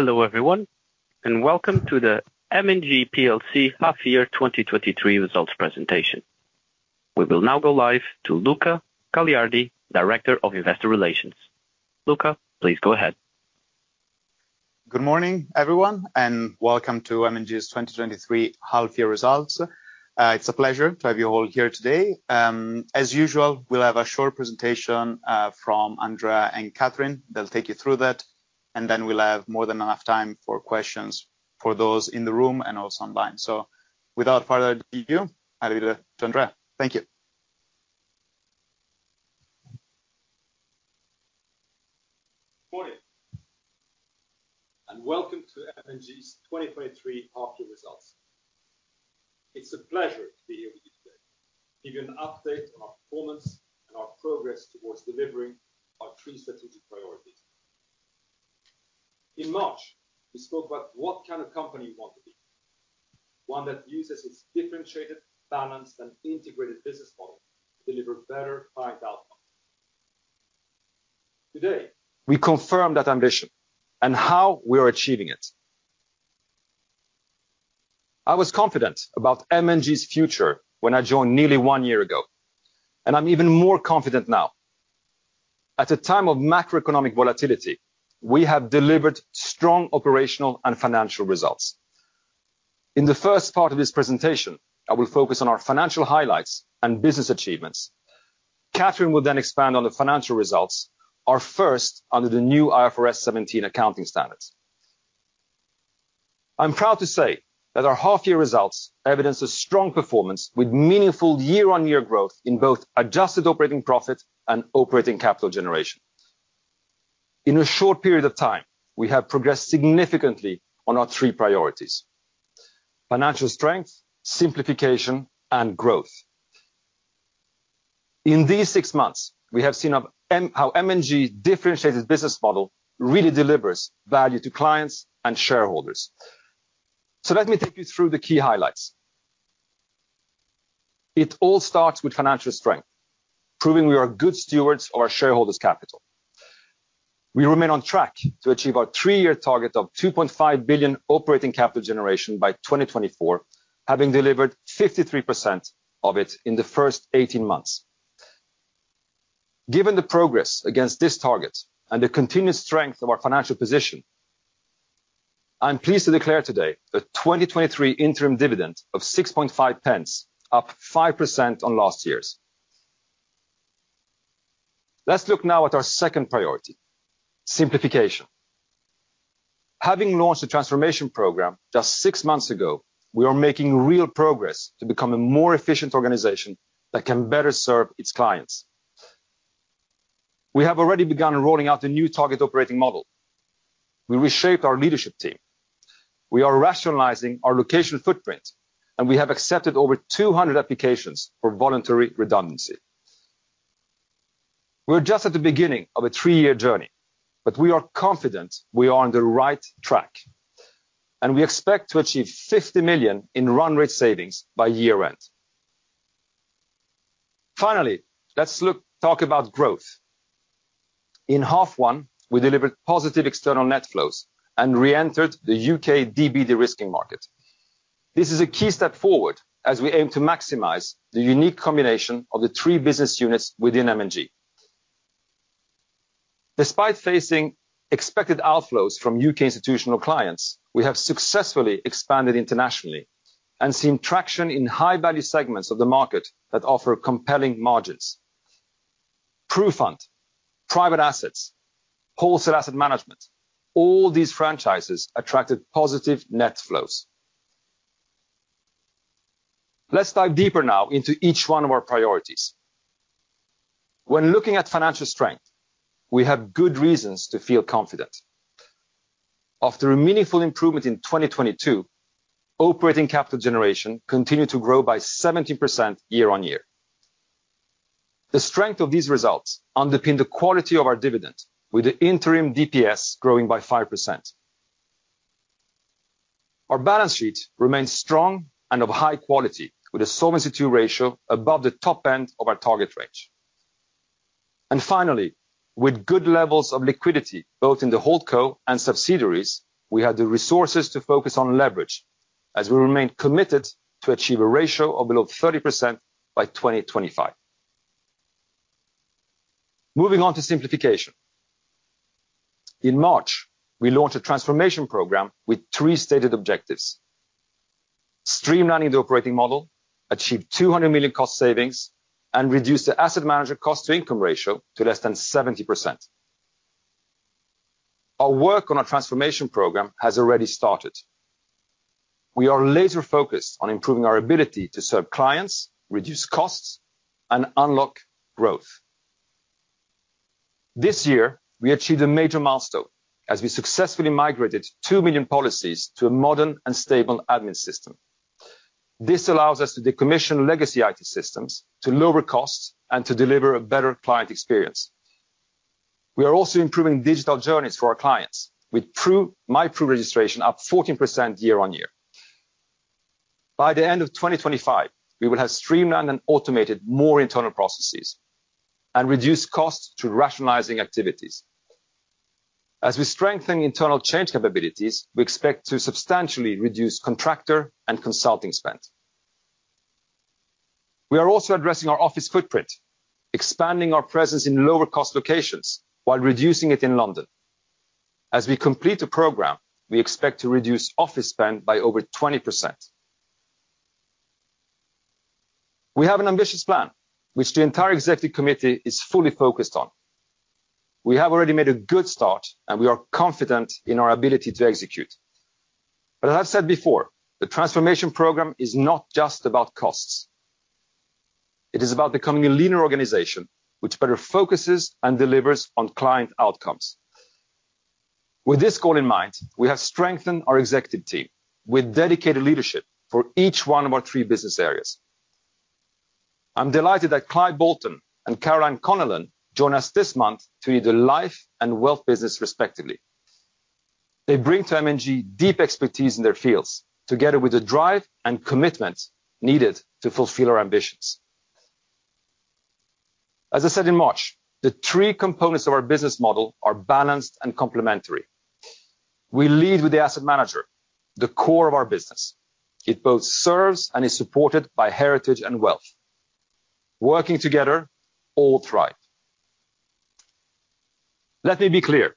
Hello everyone, and welcome to the M&G PLC half year 2023 results presentation. We will now go live to Luca Gagliardi, Director of Investor Relations. Luca, please go ahead. Good morning, everyone, and welcome to M&G's 2023 half year results. It's a pleasure to have you all here today. As usual, we'll have a short presentation from Andrea and Kathryn. They'll take you through that, and then we'll have more than enough time for questions for those in the room and also online. So without further ado, I leave it to Andrea. Thank you. Morning, and welcome to M&G's 2023 half-year results. It's a pleasure to be here with you today to give you an update on our performance and our progress towards delivering our three strategic priorities. In March, we spoke about what kind of company we want to be. One that uses its differentiated, balanced, and integrated business model to deliver better client outcomes. Today, we confirm that ambition and how we are achieving it. I was confident about M&G's future when I joined nearly one year ago, and I'm even more confident now. At a time of macroeconomic volatility, we have delivered strong operational and financial results. In the first part of this presentation, I will focus on our financial highlights and business achievements. Kathryn will then expand on the financial results, our first under the new IFRS 17 accounting standards. I'm proud to say that our half year results evidence a strong performance with meaningful year-on-year growth in both adjusted operating profit and operating capital generation. In a short period of time, we have progressed significantly on our three priorities: financial strength, simplification, and growth. In these six months, we have seen how M&G's differentiated business model really delivers value to clients and shareholders. So let me take you through the key highlights. It all starts with financial strength, proving we are good stewards of our shareholders' capital. We remain on track to achieve our three-year target of 2.5 billion operating capital generation by 2024, having delivered 53% of it in the first 18 months. Given the progress against this target and the continued strength of our financial position, I'm pleased to declare today a 2023 interim dividend of 6.5 pence, up 5% on last year's. Let's look now at our second priority, simplification. Having launched a transformation program just six months ago, we are making real progress to become a more efficient organization that can better serve its clients. We have already begun rolling out the new target operating model. We reshaped our leadership team. We are rationalizing our location footprint, and we have accepted over 200 applications for voluntary redundancy. We're just at the beginning of a three-year journey, but we are confident we are on the right track, and we expect to achieve 50 million in run rate savings by year-end. Finally, let's talk about growth. In H1, we delivered positive external net flows and reentered the UK DB de-risking market. This is a key step forward as we aim to maximize the unique combination of the three business units within M&G. Despite facing expected outflows from UK institutional clients, we have successfully expanded internationally and seen traction in high-value segments of the market that offer compelling margins. PruFund, Private Assets, Wholesale Asset Management, all these franchises attracted positive net flows. Let's dive deeper now into each one of our priorities. When looking at financial strength, we have good reasons to feel confident. After a meaningful improvement in 2022, operating capital generation continued to grow by 17% year-on-year. The strength of these results underpin the quality of our dividend, with the interim DPS growing by 5%. Our balance sheet remains strong and of high quality, with a Solvency II ratio above the top end of our target range. And finally, with good levels of liquidity, both in the Holdco and subsidiaries, we have the resources to focus on leverage as we remain committed to achieve a ratio of below 30% by 2025. Moving on to simplification. In March, we launched a transformation program with three stated objectives: streamlining the operating model, achieve 200 million cost savings, and reduce the asset manager cost-to-income ratio to less than 70%. Our work on our transformation program has already started. We are laser-focused on improving our ability to serve clients, reduce costs, and unlock growth. This year, we achieved a major milestone as we successfully migrated 2 million policies to a modern and stable admin system. This allows us to decommission legacy IT systems to lower costs and to deliver a better client experience. We are also improving digital journeys for our clients with MyPru registration up 14% year-over-year. By the end of 2025, we will have streamlined and automated more internal processes and reduced costs to rationalizing activities. As we strengthen internal change capabilities, we expect to substantially reduce contractor and consulting spend. We are also addressing our office footprint, expanding our presence in lower cost locations while reducing it in London. As we complete the program, we expect to reduce office spend by over 20%. We have an ambitious plan, which the entire executive committee is fully focused on. We have already made a good start, and we are confident in our ability to execute. As I've said before, the transformation program is not just about costs. It is about becoming a leaner organization which better focuses and delivers on client outcomes. With this goal in mind, we have strengthened our executive team with dedicated leadership for each one of our three business areas. I'm delighted that Clive Bolton and Caroline Connellan join us this month to lead the life and wealth business, respectively. They bring to M&G deep expertise in their fields, together with the drive and commitment needed to fulfill our ambitions. As I said in March, the three components of our business model are balanced and complementary. We lead with the asset manager, the core of our business. It both serves and is supported by heritage and wealth. Working together, all thrive. Let me be clear,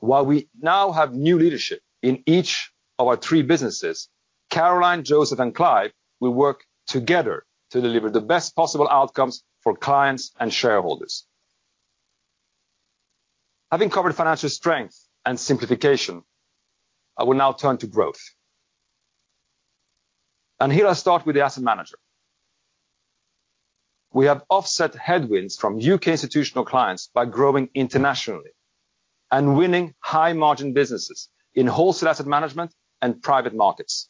while we now have new leadership in each of our three businesses, Caroline, Joseph, and Clive will work together to deliver the best possible outcomes for clients and shareholders. Having covered financial strength and simplification, I will now turn to growth. Here I start with the asset manager. We have offset headwinds from U.K. institutional clients by growing internationally and winning high margin businesses in wholesale asset management and private markets.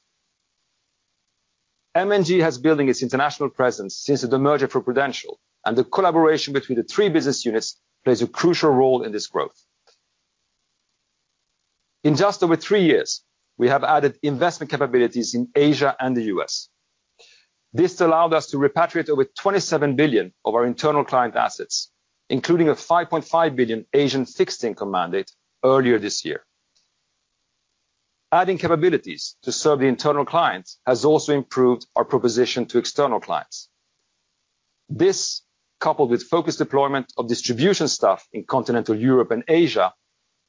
M&G has been building its international presence since the merger of Prudential, and the collaboration between the three business units plays a crucial role in this growth. In just over three years, we have added investment capabilities in Asia and the U.S. This allowed us to repatriate over 27 Billion of our internal client assets, including a 5.5 billion Asian fixed income mandate earlier this year. Adding capabilities to serve the internal clients has also improved our proposition to external clients. This, coupled with focused deployment of distribution staff in Continental European and Asia,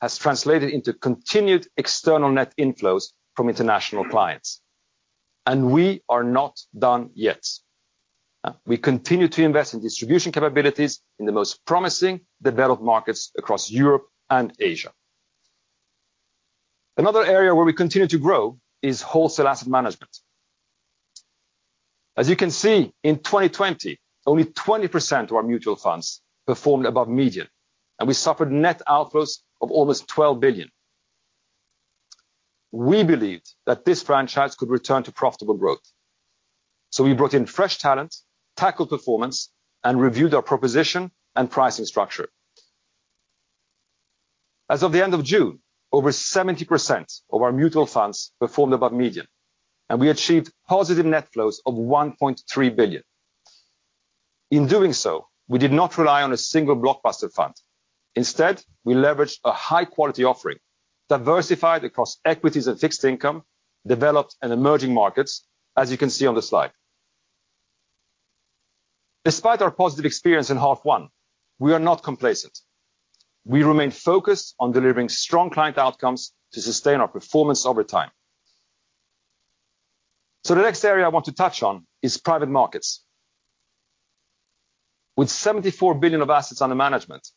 has translated into continued external net inflows from international clients, and we are not done yet. We continue to invest in distribution capabilities in the most promising developed markets across Europe and Asia. Another area where we continue to grow is wholesale asset management. As you can see, in 2020, only 20% of our mutual funds performed above median, and we suffered net outflows of almost 12 billion. We believed that this franchise could return to profitable growth, so we brought in fresh talent, tackled performance, and reviewed our proposition and pricing structure. As of the end of June, over 70% of our mutual funds performed above median, and we achieved positive net flows of 1.3 billion. In doing so, we did not rely on a single blockbuster fund. Instead, we leveraged a high-quality offering, diversified across equities and fixed income, developed and emerging markets, as you can see on the slide. Despite our positive experience in half one, we are not complacent. We remain focused on delivering strong client outcomes to sustain our performance over time. So the next area I want to touch on is private markets. With 74 billion of assets under management,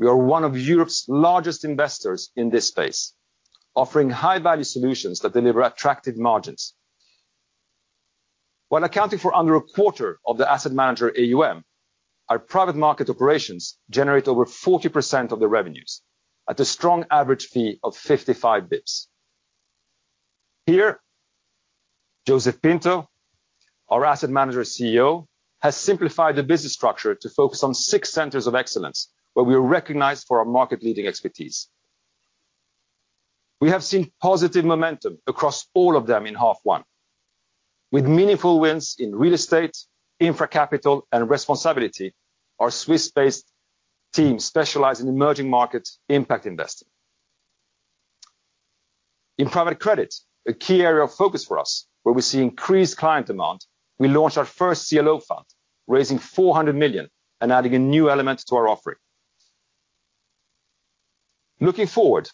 we are one of Europe's largest investors in this space, offering high-value solutions that deliver attractive margins. While accounting for under a quarter of the asset manager AUM, our private market operations generate over 40% of the revenues at a strong average fee of 55 basis points. Here, Joseph Pinto, our Asset Management CEO, has simplified the business structure to focus on six centers of excellence, where we are recognized for our market-leading expertise. We have seen positive momentum across all of them in H1, with meaningful wins in real estate, Infracapital, and responsAbility, our Swiss-based team that specializes in emerging market impact investing. In private credit, a key area of focus for us, where we see increased client demand, we launched our first CLO fund, raising 400 million and adding a new element to our offering. Looking forward,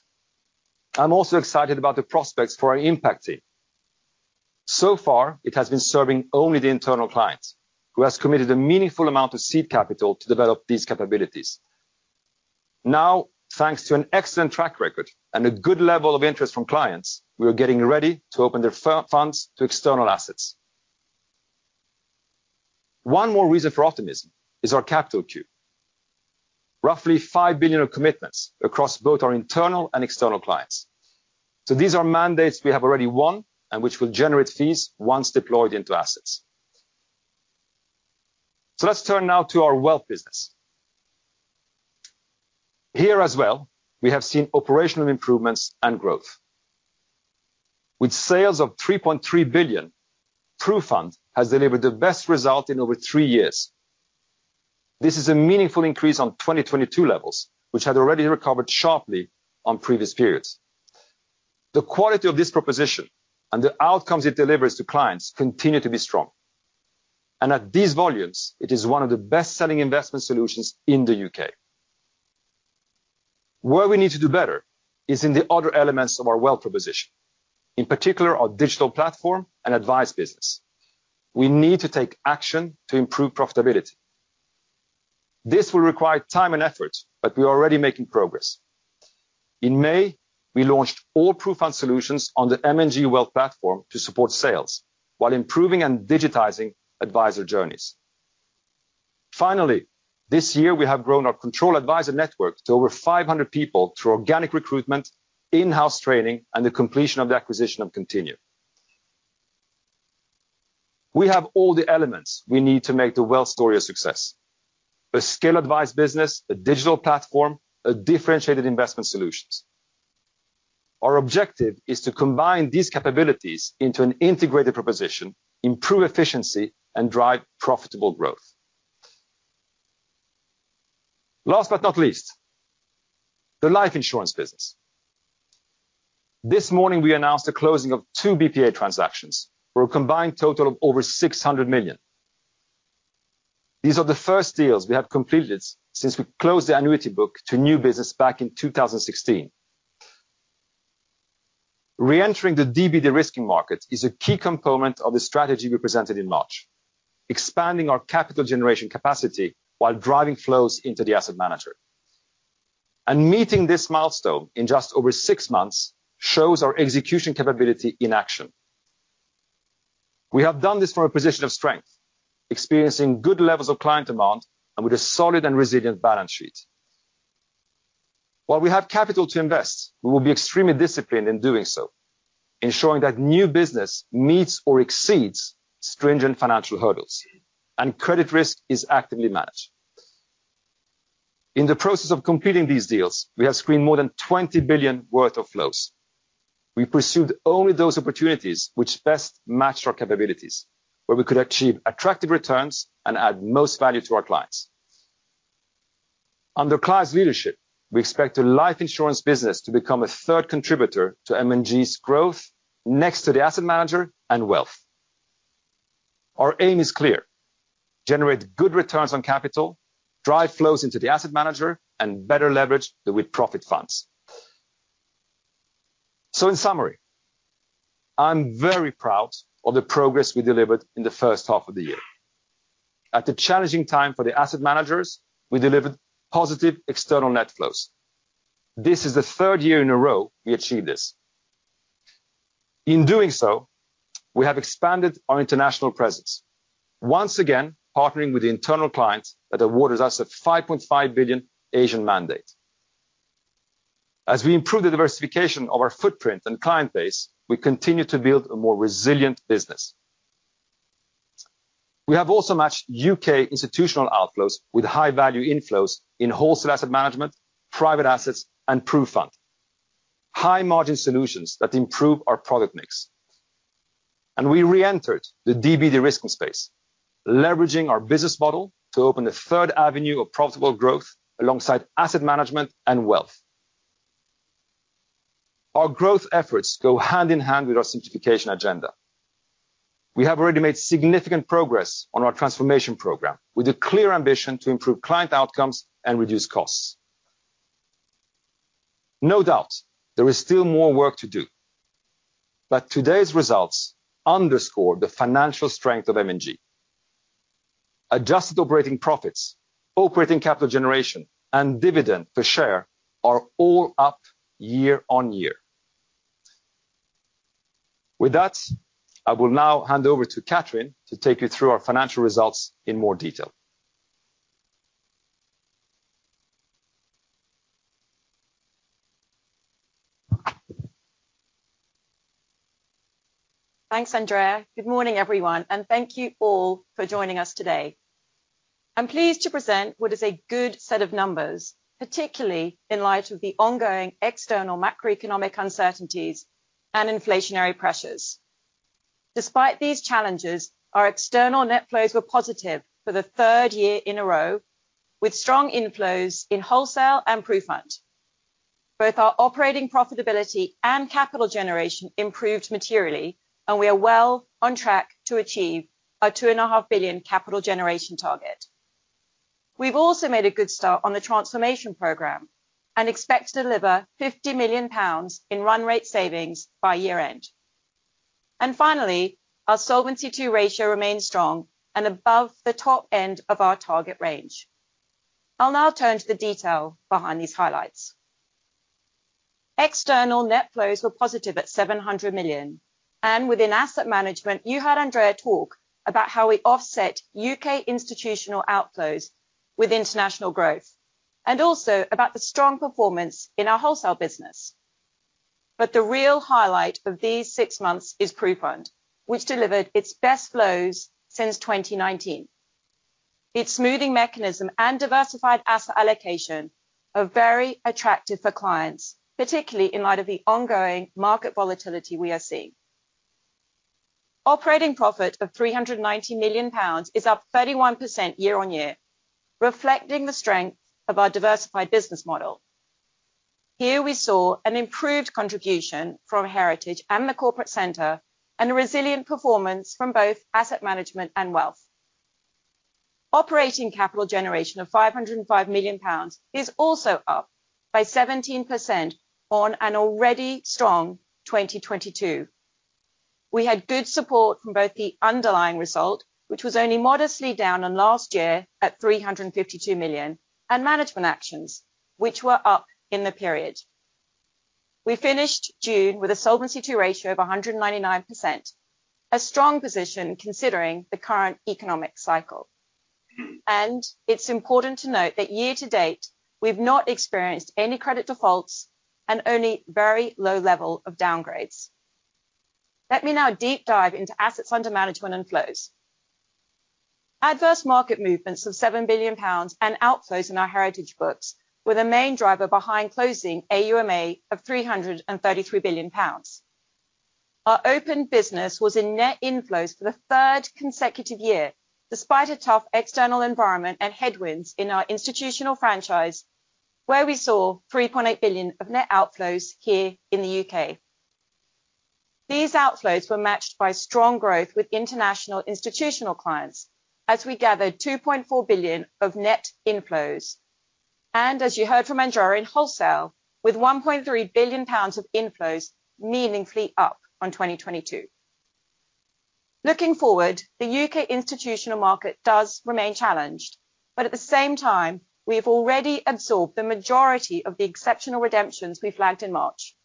I'm also excited about the prospects for our impact team. So far, it has been serving only the internal clients, who have committed a meaningful amount of seed capital to develop these capabilities. Now, thanks to an excellent track record and a good level of interest from clients, we are getting ready to open their funds to external assets. One more reason for optimism is our capital queue. Roughly 5 billion of commitments across both our internal and external clients. So these are mandates we have already won and which will generate fees once deployed into assets. So let's turn now to our wealth business. Here as well, we have seen operational improvements and growth. With sales of 3.3 billion, PruFund has delivered the best result in over three years. This is a meaningful increase on 2022 levels, which had already recovered sharply on previous periods. The quality of this proposition and the outcomes it delivers to clients continue to be strong, and at these volumes, it is one of the best-selling investment solutions in the UK. Where we need to do better is in the other elements of our wealth proposition, in particular, our digital platform and advice business. We need to take action to improve profitability. This will require time and effort, but we are already making progress. In May, we launched all PruFund solutions on the M&G Wealth platform to support sales, while improving and digitizing advisor journeys. Finally, this year, we have grown our core advisor network to over 500 people through organic recruitment, in-house training, and the completion of the acquisition of Continuum. We have all the elements we need to make the wealth story a success, a scale advice business, a digital platform, a differentiated investment solutions. Our objective is to combine these capabilities into an integrated proposition, improve efficiency, and drive profitable growth. Last but not least, the life insurance business. This morning, we announced the closing of two BPA transactions for a combined total of over 600 million. These are the first deals we have completed since we closed the annuity book to new business back in 2016. Reentering the DB de-risking market is a key component of the strategy we presented in March, expanding our capital generation capacity while driving flows into the asset manager. Meeting this milestone in just over six months shows our execution capability in action. We have done this from a position of strength, experiencing good levels of client demand and with a solid and resilient balance sheet. While we have capital to invest, we will be extremely disciplined in doing so, ensuring that new business meets or exceeds stringent financial hurdles and credit risk is actively managed. In the process of completing these deals, we have screened more than 20 billion worth of flows. We pursued only those opportunities which best matched our capabilities, where we could achieve attractive returns and add most value to our clients. Under Clive's leadership, we expect the life insurance business to become a third contributor to M&G's growth next to the asset manager and wealth. Our aim is clear: generate good returns on capital, drive flows into the asset manager, and better leverage the with-profit funds. So in summary, I'm very proud of the progress we delivered in the first half of the year. At the challenging time for the asset managers, we delivered positive external net flows. This is the third year in a row we achieved this. In doing so, we have expanded our international presence, once again, partnering with the internal clients that awarded us a 5.5 billion Asian mandate. As we improve the diversification of our footprint and client base, we continue to build a more resilient business. We have also matched U.K. institutional outflows with high-value inflows in wholesale asset management, private assets, and PruFund, high-margin solutions that improve our product mix. We reentered the DB de-risking space, leveraging our business model to open a third avenue of profitable growth alongside asset management and wealth. Our growth efforts go hand in hand with our simplification agenda. We have already made significant progress on our transformation program, with a clear ambition to improve client outcomes and reduce costs. No doubt, there is still more work to do, but today's results underscore the financial strength of M&G. Adjusted operating profits, operating capital generation, and dividend per share are all up year-over-year. With that, I will now hand over to Kathryn to take you through our financial results in more detail. Thanks, Andrea. Good morning, everyone, and thank you all for joining us today. I'm pleased to present what is a good set of numbers, particularly in light of the ongoing external macroeconomic uncertainties and inflationary pressures. Despite these challenges, our external net flows were positive for the third year in a row, with strong inflows in wholesale and PruFund. Both our operating profitability and capital generation improved materially, and we are well on track to achieve our 2.5 billion capital generation target. We've also made a good start on the transformation program and expect to deliver 50 million pounds in run rate savings by year-end. Finally, our Solvency II ratio remains strong and above the top end of our target range. I'll now turn to the detail behind these highlights. External net flows were positive at 700 million, and within asset management, you heard Andrea talk about how we offset UK institutional outflows with international growth, and also about the strong performance in our wholesale business. But the real highlight of these six months is PruFund, which delivered its best flows since 2019. Its smoothing mechanism and diversified asset allocation are very attractive for clients, particularly in light of the ongoing market volatility we are seeing. Operating profit of 390 million pounds is up 31% year-on-year, reflecting the strength of our diversified business model. Here, we saw an improved contribution from Heritage and the corporate center, and a resilient performance from both asset management and wealth. Operating capital generation of 505 million pounds is also up by 17% on an already strong 2022. We had good support from both the underlying result, which was only modestly down on last year at 352 million, and management actions, which were up in the period. We finished June with a Solvency II ratio of 199%, a strong position considering the current economic cycle. It's important to note that year to date, we've not experienced any credit defaults and only very low level of downgrades. Let me now deep dive into assets under management and flows. Adverse market movements of 7 billion pounds and outflows in our Heritage books were the main driver behind closing AUMA of 333 billion pounds. Our open business was in net inflows for the third consecutive year, despite a tough external environment and headwinds in our institutional franchise, where we saw 3.8 billion of net outflows here in the UK. These outflows were matched by strong growth with international institutional clients as we gathered 2.4 billion of net inflows, and as you heard from Andrea in wholesale, with 1.3 billion pounds of inflows meaningfully up on 2022. Looking forward, the UK institutional market does remain challenged, but at the same time, we have already absorbed the majority of the exceptional redemptions we flagged in March,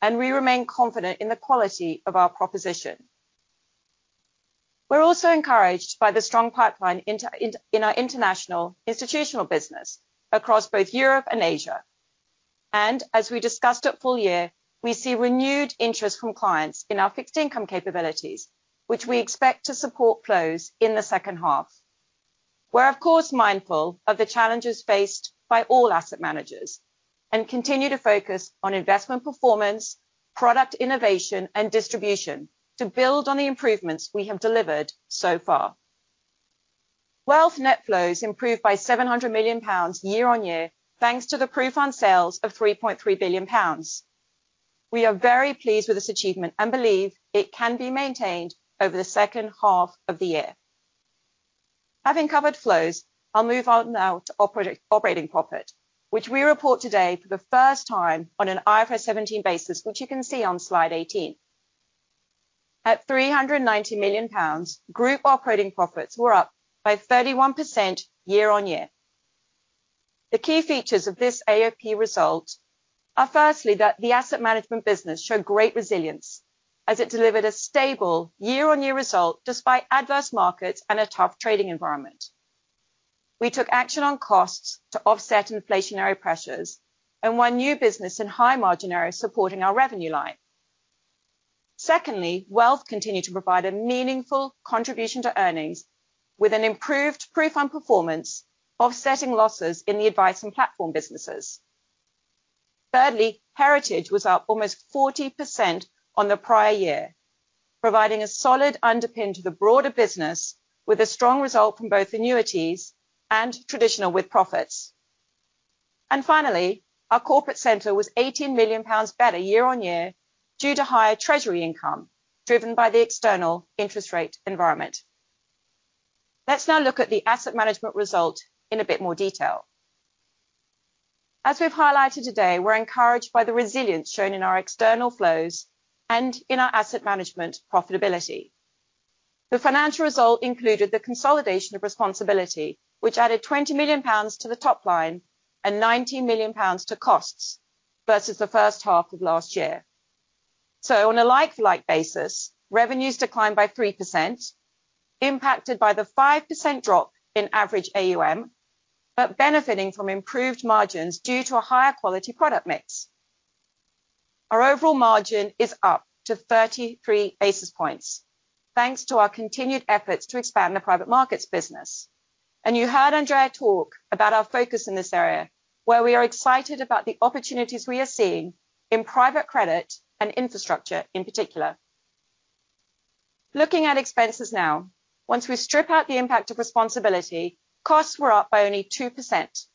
and we remain confident in the quality of our proposition. We're also encouraged by the strong pipeline in our international institutional business across both Europe and Asia. And as we discussed at full year, we see renewed interest from clients in our fixed income capabilities, which we expect to support flows in the second half. We're, of course, mindful of the challenges faced by all asset managers and continue to focus on investment performance, product innovation, and distribution to build on the improvements we have delivered so far. Wealth net flows improved by 700 million pounds year-on-year, thanks to the PruFund sales of 3.3 billion pounds. We are very pleased with this achievement and believe it can be maintained over the second half of the year. Having covered flows, I'll move on now to operating profit, which we report today for the first time on an IFRS 17 basis, which you can see on slide 18. At 390 million pounds, group operating profits were up 31% year-on-year. The key features of this AOP result are, firstly, that the asset management business showed great resilience as it delivered a stable year-on-year result, despite adverse markets and a tough trading environment. We took action on costs to offset inflationary pressures and won new business in high margin areas supporting our revenue line. Secondly, wealth continued to provide a meaningful contribution to earnings with an improved PruFund performance, offsetting losses in the advice and platform businesses. Thirdly, Heritage was up almost 40% on the prior year, providing a solid underpin to the broader business with a strong result from both annuities and traditional with-profits. Finally, our corporate center was 18 million pounds better year-on-year due to higher treasury income, driven by the external interest rate environment. Let's now look at the asset management result in a bit more detail. As we've highlighted today, we're encouraged by the resilience shown in our external flows and in our asset management profitability. The financial result included the consolidation of responsAbility, which added 20 million pounds to the top line and 19 million pounds to costs versus the first half of last year. So on a like-like basis, revenues declined by 3%, impacted by the 5% drop in average AUM, but benefiting from improved margins due to a higher quality product mix. Our overall margin is up to 33 basis points, thanks to our continued efforts to expand the private markets business. And you heard Andrea talk about our focus in this area, where we are excited about the opportunities we are seeing in private credit and infrastructure in particular. Looking at expenses now, once we strip out the impact of responsAbility, costs were up by only 2%,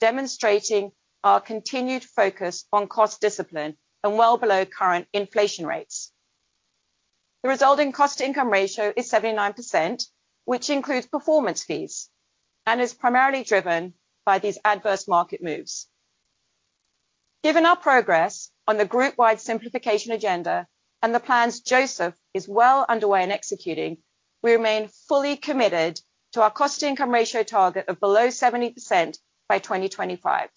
demonstrating our continued focus on cost discipline and well below current inflation rates. The resulting cost-to-income ratio is 79%, which includes performance fees and is primarily driven by these adverse market moves. Given our progress on the group-wide simplification agenda and the plans Joseph is well underway in executing, we remain fully committed to our cost-to-income ratio target of below 70% by 2025.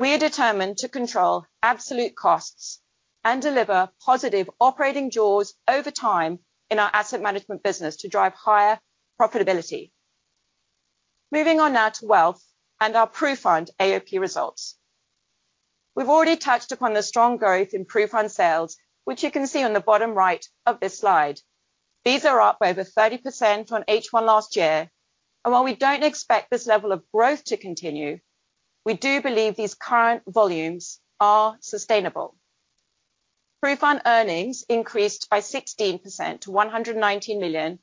We are determined to control absolute costs and deliver positive operating jaws over time in our asset management business to drive higher profitability.... Moving on now to wealth and our PruFund AOP results. We've already touched upon the strong growth in PruFund sales, which you can see on the bottom right of this slide. These are up by over 30% on H1 last year, and while we don't expect this level of growth to continue, we do believe these current volumes are sustainable. PruFund earnings increased by 16% to 119 million,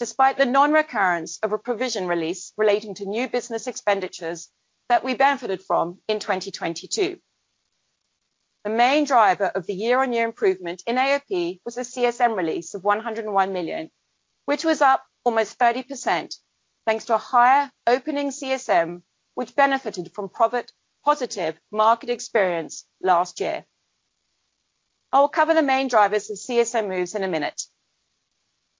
despite the non-recurrence of a provision release relating to new business expenditures that we benefited from in 2022. The main driver of the year-on-year improvement in AOP was a CSM release of 101 million, which was up almost 30%, thanks to a higher opening CSM, which benefited from profit, positive market experience last year. I will cover the main drivers of CSM moves in a minute.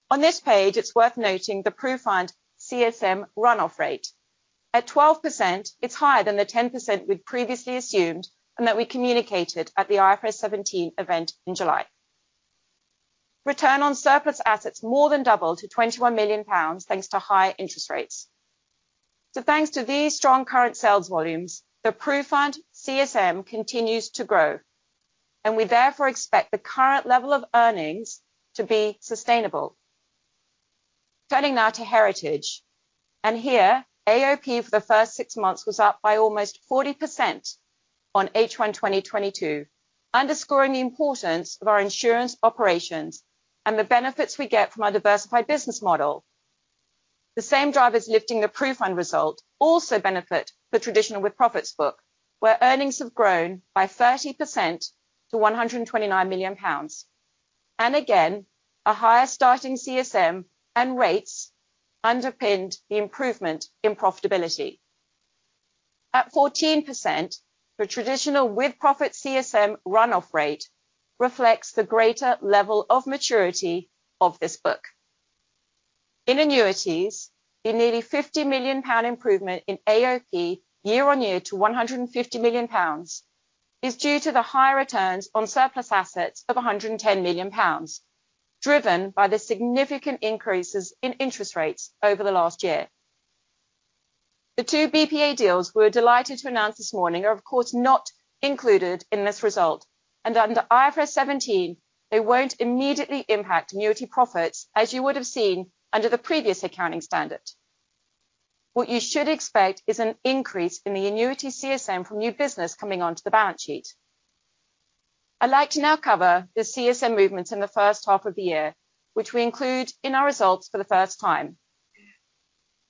On this page, it's worth noting the PruFund CSM run-off rate. At 12%, it's higher than the 10% we'd previously assumed, and that we communicated at the IFRS 17 event in July. Return on surplus assets more than doubled to 21 million pounds, thanks to higher interest rates. Thanks to these strong current sales volumes, the PruFund CSM continues to grow, and we therefore expect the current level of earnings to be sustainable. Turning now to heritage, here, AOP for the first six months was up by almost 40% on H1 2022, underscoring the importance of our insurance operations and the benefits we get from our diversified business model. The same drivers lifting the PruFund result also benefit the traditional with-profits book, where earnings have grown by 30% to 129 million pounds. Again, a higher starting CSM and rates underpinned the improvement in profitability. At 14%, the traditional with-profits CSM run-off rate reflects the greater level of maturity of this book. In annuities, the nearly 50 million pound improvement in AOP year-over-year to 150 million pounds is due to the higher returns on surplus assets of 110 million pounds, driven by the significant increases in interest rates over the last year. The two BPA deals we're delighted to announce this morning are, of course, not included in this result, and under IFRS 17, they won't immediately impact annuity profits, as you would have seen under the previous accounting standard. What you should expect is an increase in the annuity CSM from new business coming onto the balance sheet. I'd like to now cover the CSM movements in the first half of the year, which we include in our results for the first time.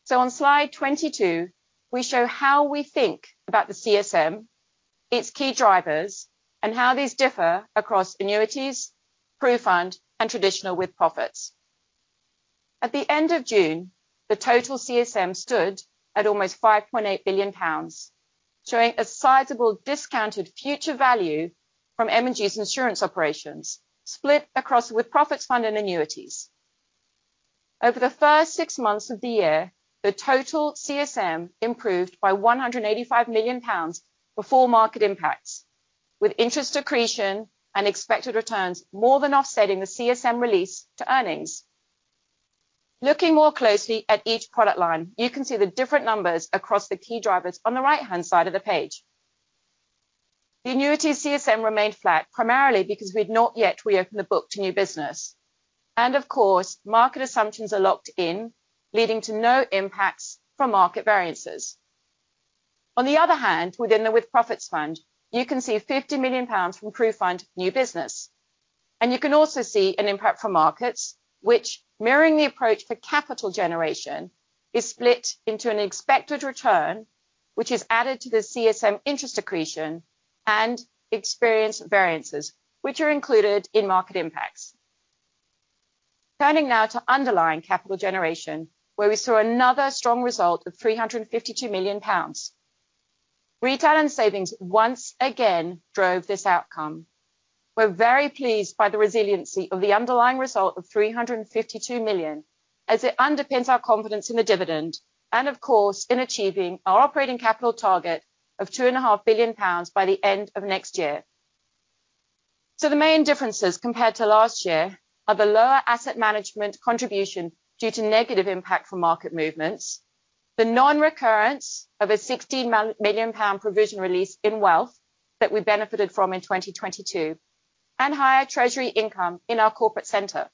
So on slide 22, we show how we think about the CSM, its key drivers, and how these differ across annuities, PruFund, and traditional with-profits. At the end of June, the total CSM stood at almost 5.8 billion pounds, showing a sizable discounted future value from M&G's insurance operations, split across with-profits fund and annuities. Over the first six months of the year, the total CSM improved by 185 million pounds before market impacts, with interest accretion and expected returns more than offsetting the CSM release to earnings. Looking more closely at each product line, you can see the different numbers across the key drivers on the right-hand side of the page. The annuity CSM remained flat, primarily because we've not yet reopened the book to new business. Of course, market assumptions are locked in, leading to no impacts from market variances. On the other hand, within the With-Profits Fund, you can see 50 million pounds from PruFund new business, and you can also see an impact from markets which, mirroring the approach for capital generation, is split into an expected return, which is added to the CSM interest accretion and experience variances, which are included in market impacts. Turning now to underlying capital generation, where we saw another strong result of 352 million pounds. Retail and savings once again drove this outcome. We're very pleased by the resiliency of the underlying result of 352 million, as it underpins our confidence in the dividend, and of course, in achieving our operating capital target of 2.5 billion pounds by the end of next year. The main differences compared to last year are the lower asset management contribution due to negative impact from market movements, the non-recurrence of a 60 million pound provision release in wealth that we benefited from in 2022, and higher treasury income in our corporate center.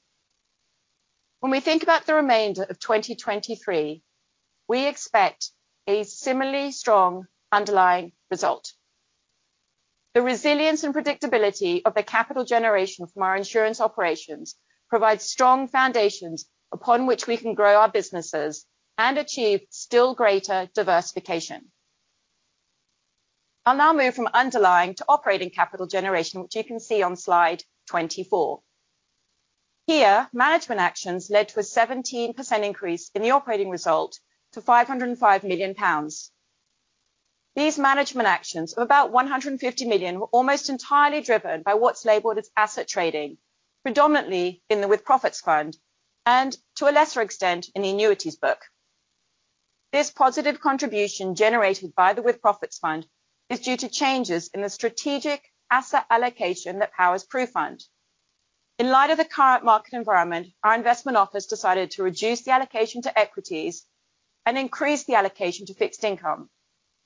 When we think about the remainder of 2023, we expect a similarly strong underlying result. The resilience and predictability of the capital generation from our insurance operations provides strong foundations upon which we can grow our businesses and achieve still greater diversification. I'll now move from underlying to operating capital generation, which you can see on slide 24. Here, management actions led to a 17% increase in the operating result to 505 million pounds. These management actions of about 150 million were almost entirely driven by what's labeled as asset trading, predominantly in the With-Profits Fund and, to a lesser extent, in the annuities book. This positive contribution generated by the With-Profits Fund is due to changes in the Strategic Asset Allocation that powers PruFund. In light of the current market environment, our investment office decided to reduce the allocation to equities and increase the allocation to fixed income,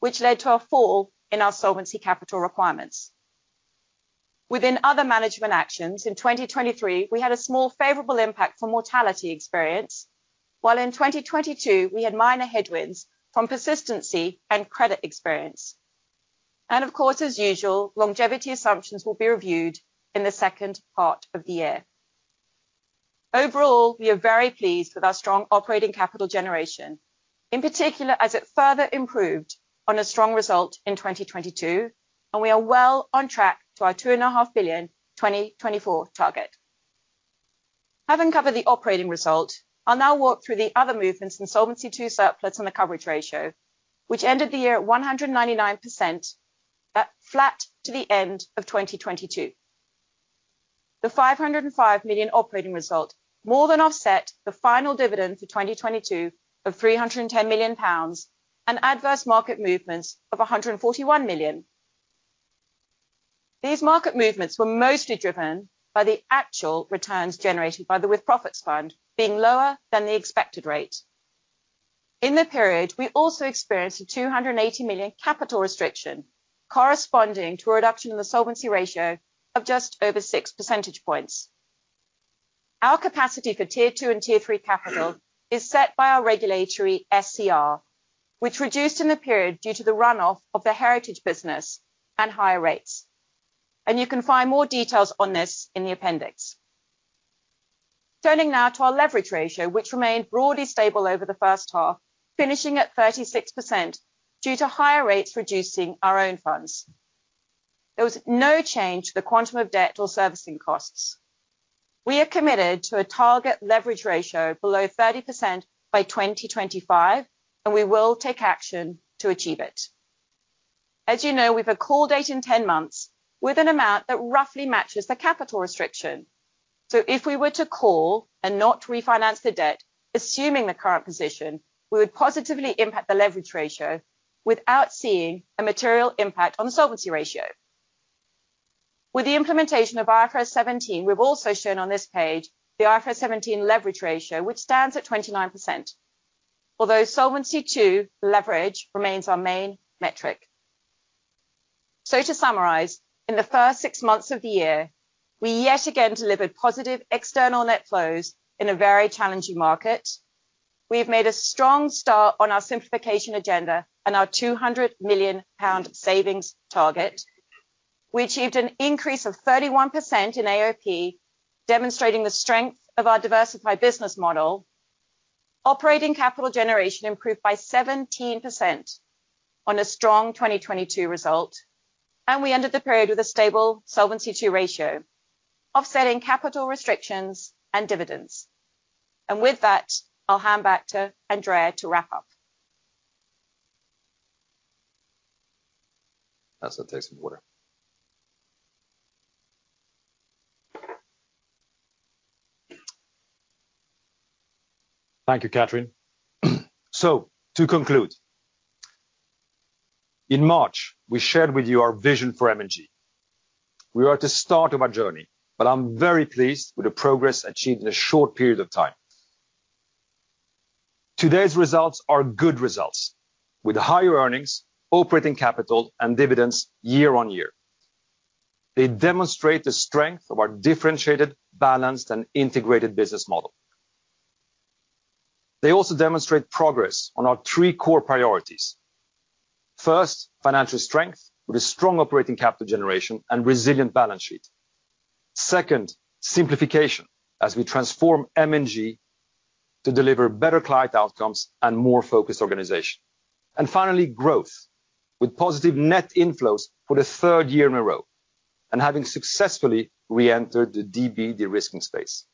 which led to a fall in our Solvency Capital Requirement. Within other management actions, in 2023, we had a small favorable impact from mortality experience, while in 2022, we had minor headwinds from persistency and credit experience. And of course, as usual, longevity assumptions will be reviewed in the second part of the year. Overall, we are very pleased with our strong operating capital generation, in particular, as it further improved on a strong result in 2022, and we are well on track to our 2.5 billion 2024 target. Having covered the operating result, I'll now walk through the other movements in Solvency II surplus and the coverage ratio, which ended the year at 199%, flat to the end of 2022. The 505 million operating result more than offset the final dividend for 2022 of 310 million pounds, and adverse market movements of 141 million. These market movements were mostly driven by the actual returns generated by the With-Profits Fund, being lower than the expected rate. In the period, we also experienced a 280 million capital restriction, corresponding to a reduction in the solvency ratio of just over 6 percentage points. Our capacity for Tier Two and Tier Three capital is set by our regulatory SCR, which reduced in the period due to the runoff of the heritage business and higher rates. You can find more details on this in the appendix. Turning now to our leverage ratio, which remained broadly stable over the first half, finishing at 36% due to higher rates reducing our own funds. There was no change to the quantum of debt or servicing costs. We are committed to a target leverage ratio below 30% by 2025, and we will take action to achieve it. As you know, we've a call date in 10 months with an amount that roughly matches the capital restriction. So if we were to call and not refinance the debt, assuming the current position, we would positively impact the leverage ratio without seeing a material impact on the solvency ratio. With the implementation of IFRS 17, we've also shown on this page the IFRS 17 leverage ratio, which stands at 29%, although Solvency II leverage remains our main metric. So to summarize, in the first six months of the year, we yet again delivered positive external net flows in a very challenging market. We have made a strong start on our simplification agenda and our 200 million pound savings target. We achieved an increase of 31% in AOP, demonstrating the strength of our diversified business model. Operating capital generation improved by 17% on a strong 2022 result, and we ended the period with a stable Solvency II ratio, offsetting capital restrictions and dividends. With that, I'll hand back to Andrea to wrap up. Have some taste of water. Thank you, Kathryn. To conclude, in March, we shared with you our vision for M&G. We are at the start of our journey, but I'm very pleased with the progress achieved in a short period of time. Today's results are good results, with higher earnings, operating capital, and dividends year on year. They demonstrate the strength of our differentiated, balanced, and integrated business model. They also demonstrate progress on our three core priorities. First, financial strength, with a strong operating capital generation and resilient balance sheet. Second, simplification, as we transform M&G to deliver better client outcomes and more focused organization. Finally, growth, with positive net inflows for the third year in a row, and having successfully reentered the DB de-risking space.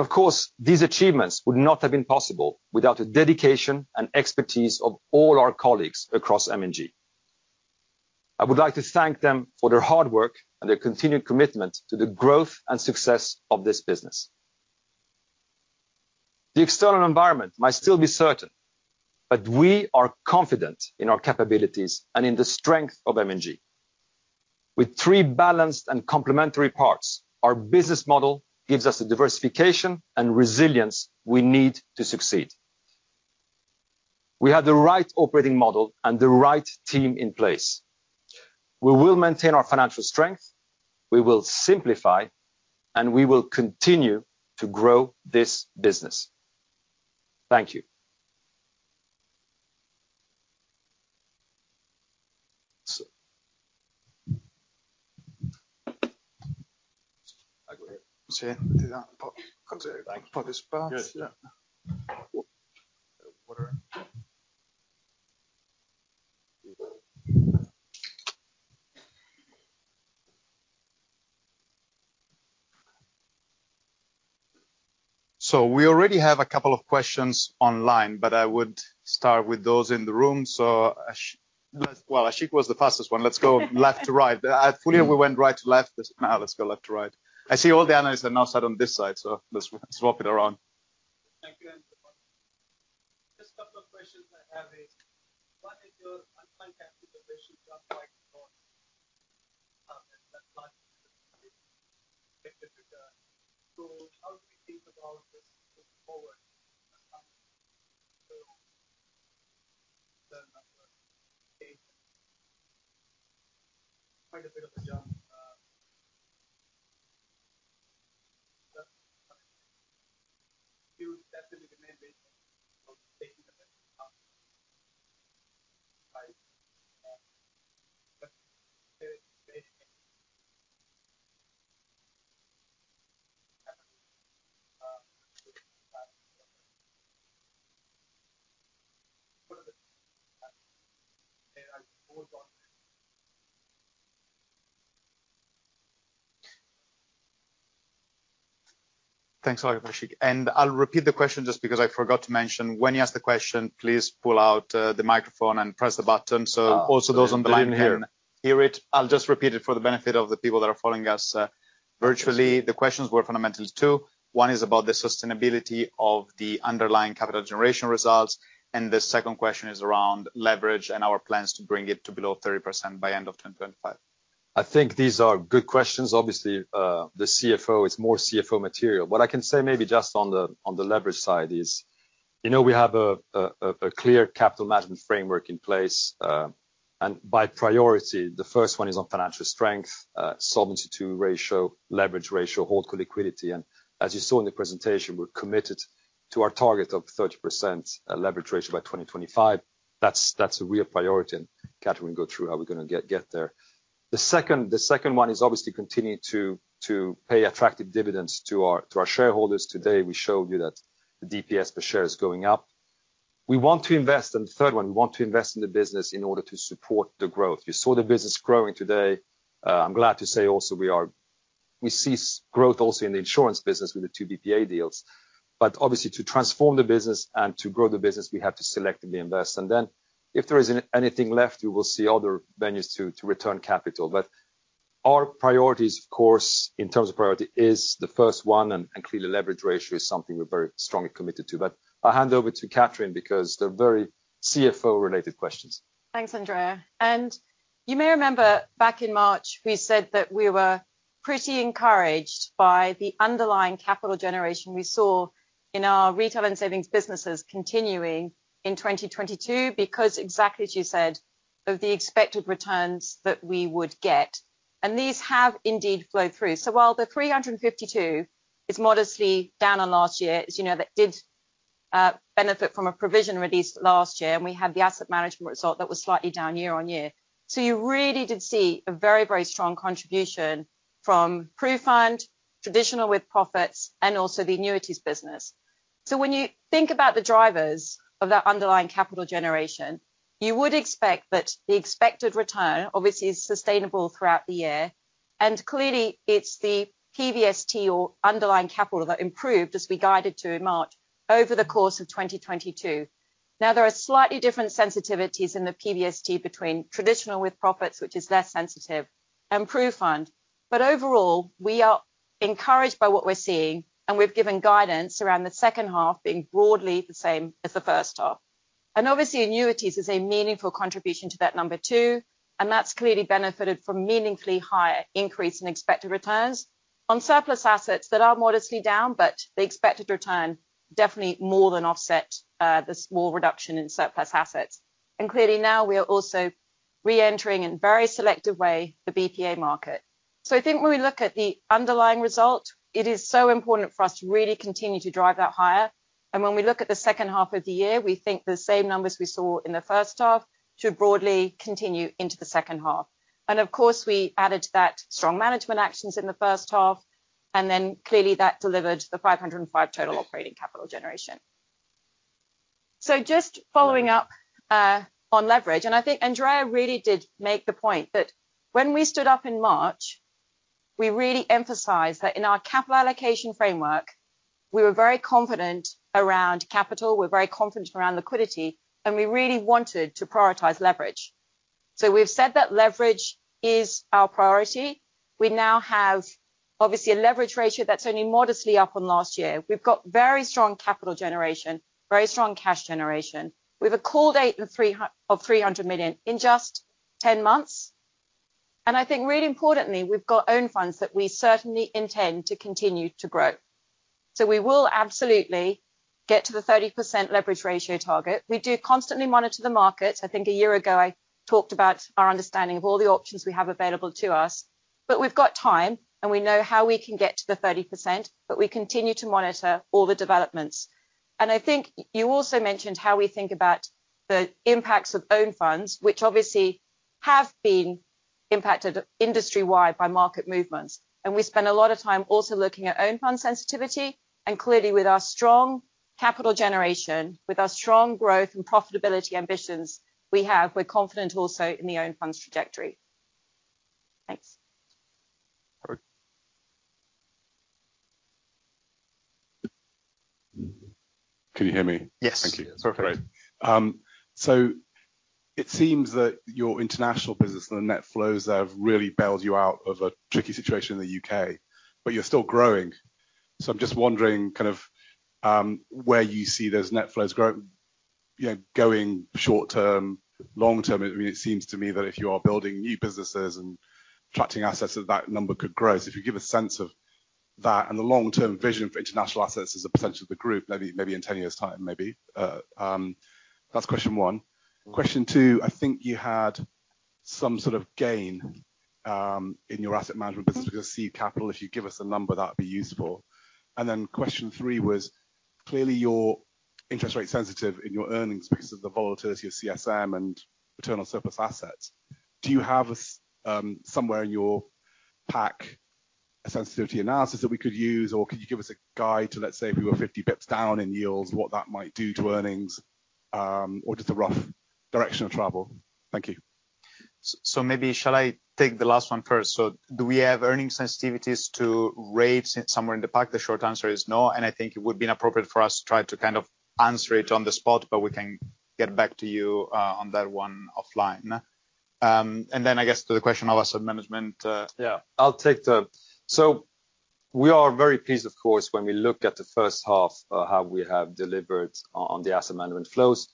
Of course, these achievements would not have been possible without the dedication and expertise of all our colleagues across M&G. I would like to thank them for their hard work and their continued commitment to the growth and success of this business. The external environment might still be certain, but we are confident in our capabilities and in the strength of M&G. With three balanced and complementary parts, our business model gives us the diversification and resilience we need to succeed. We have the right operating model and the right team in place. We will maintain our financial strength, we will simplify, and we will continue to grow this business. Thank you. I go ahead. See, do that. Thank you. Pop this back. Yes. Yeah. Water. So we already have a couple of questions online, but I would start with those in the room. So, well, Ashik was the fastest one. Let's go left to right. Earlier we went right to left, but now let's go left to right. I see all the analysts are now sat on this side, so let's swap it around. Thanks a lot, Ashik. And I'll repeat the question just because I forgot to mention, when you ask the question, please pull out the microphone and press the button so also those on the line can- Ah, I didn't hear. hear it. I'll just repeat it for the benefit of the people that are following us, virtually. The questions were fundamentally two. One is about the sustainability of the underlying capital generation results, and the second question is around leverage and our plans to bring it to below 30% by end of 2025. I think these are good questions. Obviously, the CFO is more CFO material. What I can say maybe just on the leverage side is, you know, we have a clear capital management framework in place. By priority, the first one is on financial strength, solvency II ratio, leverage ratio, Holdco liquidity. As you saw in the presentation, we're committed to our target of 30% leverage ratio by 2025. That's a real priority, and Kathryn will go through how we're gonna get there. The second one is obviously continue to pay attractive dividends to our shareholders. Today, we showed you that the DPS per share is going up. We want to invest... The third one, we want to invest in the business in order to support the growth. You saw the business growing today. I'm glad to say also, we see growth also in the insurance business with the two BPA deals. But obviously, to transform the business and to grow the business, we have to selectively invest. And then, if there is anything left, you will see other venues to return capital. But our priorities, of course, in terms of priority is the first one, and clearly, leverage ratio is something we're very strongly committed to. But I'll hand over to Kathryn, because they're very CFO-related questions. Thanks, Andrea. You may remember back in March, we said that we were pretty encouraged by the underlying capital generation we saw in our retail and savings businesses continuing in 2022, because exactly as you said, of the expected returns that we would get, and these have indeed flowed through. While the 352 is modestly down on last year, as you know, that did benefit from a provision released last year, and we had the asset management result that was slightly down year-on-year. You really did see a very, very strong contribution from PruFund, traditional with-profits, and also the annuities business. So when you think about the drivers of that underlying capital generation, you would expect that the expected return obviously is sustainable throughout the year, and clearly, it's the PVST or underlying capital that improved, as we guided to in March, over the course of 2022. Now, there are slightly different sensitivities in the PVST between traditional With-Profits, which is less sensitive, and PruFund. But overall, we are encouraged by what we're seeing, and we've given guidance around the second half being broadly the same as the first half. And obviously, annuities is a meaningful contribution to that number, too, and that's clearly benefited from meaningfully higher increase in expected returns. On surplus assets, that are modestly down, but the expected return definitely more than offset, the small reduction in surplus assets. And clearly now, we are also reentering in a very selective way, the BPA market. I think when we look at the underlying result, it is so important for us to really continue to drive that higher. When we look at the second half of the year, we think the same numbers we saw in the first half should broadly continue into the second half. Of course, we added to that strong management actions in the first half, and then clearly that delivered the 505 total operating capital generation. Just following up on leverage, and I think Andrea really did make the point that when we stood up in March, we really emphasized that in our capital allocation framework, we were very confident around capital, we're very confident around liquidity, and we really wanted to prioritize leverage. We've said that leverage is our priority. We now have obviously a leverage ratio that's only modestly up on last year. We've got very strong capital generation, very strong cash generation. We've accrued 300 million in just 10 months. I think really importantly, we've got own funds that we certainly intend to continue to grow. We will absolutely get to the 30% leverage ratio target. We do constantly monitor the market. I think a year ago, I talked about our understanding of all the options we have available to us, but we've got time, and we know how we can get to the 30%, but we continue to monitor all the developments. I think you also mentioned how we think about the impacts of own funds, which obviously have been impacted industry-wide by market movements. We spend a lot of time also looking at own fund sensitivity, and clearly, with our strong capital generation, with our strong growth and profitability ambitions we have, we're confident also in the own funds trajectory. Thanks. Perfect. Can you hear me? Yes. Thank you. Perfect. Great. It seems that your international business and the net flows have really bailed you out of a tricky situation in the U.K., but you're still growing. I’m just wondering kind of where you see those net flows going short term, long term. I mean, it seems to me that if you are building new businesses and attracting assets, that that number could grow. If you give a sense of that and the long-term vision for international assets as a percentage of the group, maybe in 10 years' time, maybe. That's question one. Question two, I think you had some sort of gain in your asset management business with seed capital. If you give us a number, that would be useful. Then question three was, clearly, you're interest rate sensitive in your earnings because of the volatility of CSM and internal surplus assets. Do you have somewhere in your pack, a sensitivity analysis that we could use, or could you give us a guide to, let's say, if we were 50 pips down in yields, what that might do to earnings, or just the rough direction of travel? Thank you. So maybe shall I take the last one first? So do we have earnings sensitivities to rates somewhere in the pack? The short answer is no, and I think it would be inappropriate for us to try to kind of answer it on the spot, but we can get back to you, on that one offline. And then I guess to the question of asset management. Yeah, I'll take the... We are very pleased, of course, when we look at the first half of how we have delivered on the asset management flows.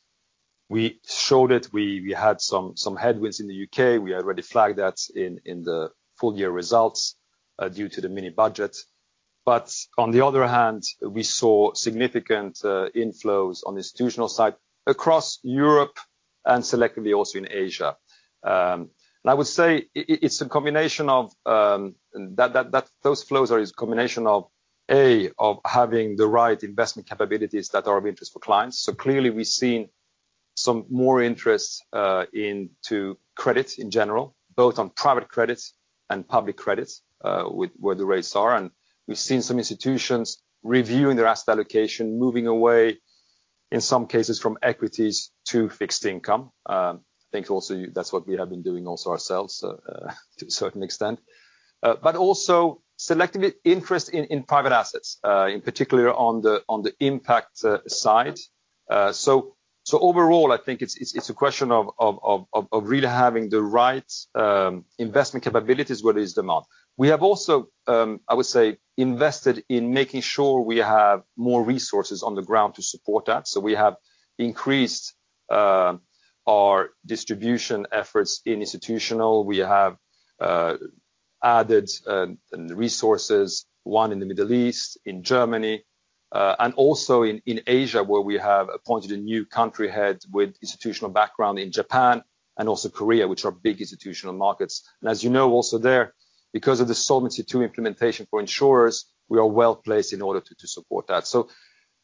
We showed it. We had some headwinds in the U.K. We already flagged that in the full year results, due to the mini budget. On the other hand, we saw significant inflows on the institutional side across Europe and selectively also in Asia. I would say it's a combination of, that those flows are a combination of, A, of having the right investment capabilities that are of interest for clients. Clearly, we've seen some more interest into credit in general, both on private credits and public credits, with where the rates are. And we've seen some institutions reviewing their asset allocation, moving away, in some cases, from equities to fixed income. I think also that's what we have been doing also ourselves, to a certain extent. But also selectively interest in private assets, in particular on the impact side. So overall, I think it's a question of really having the right investment capabilities where there is demand. We have also, I would say, invested in making sure we have more resources on the ground to support that. So we have increased our distribution efforts in institutional. We have added resources, one in the Middle East, in Germany, and also in Asia, where we have appointed a new country head with institutional background in Japan and also Korea, which are big institutional markets. As you know, also there, because of the Solvency II implementation for insurers, we are well-placed in order to support that.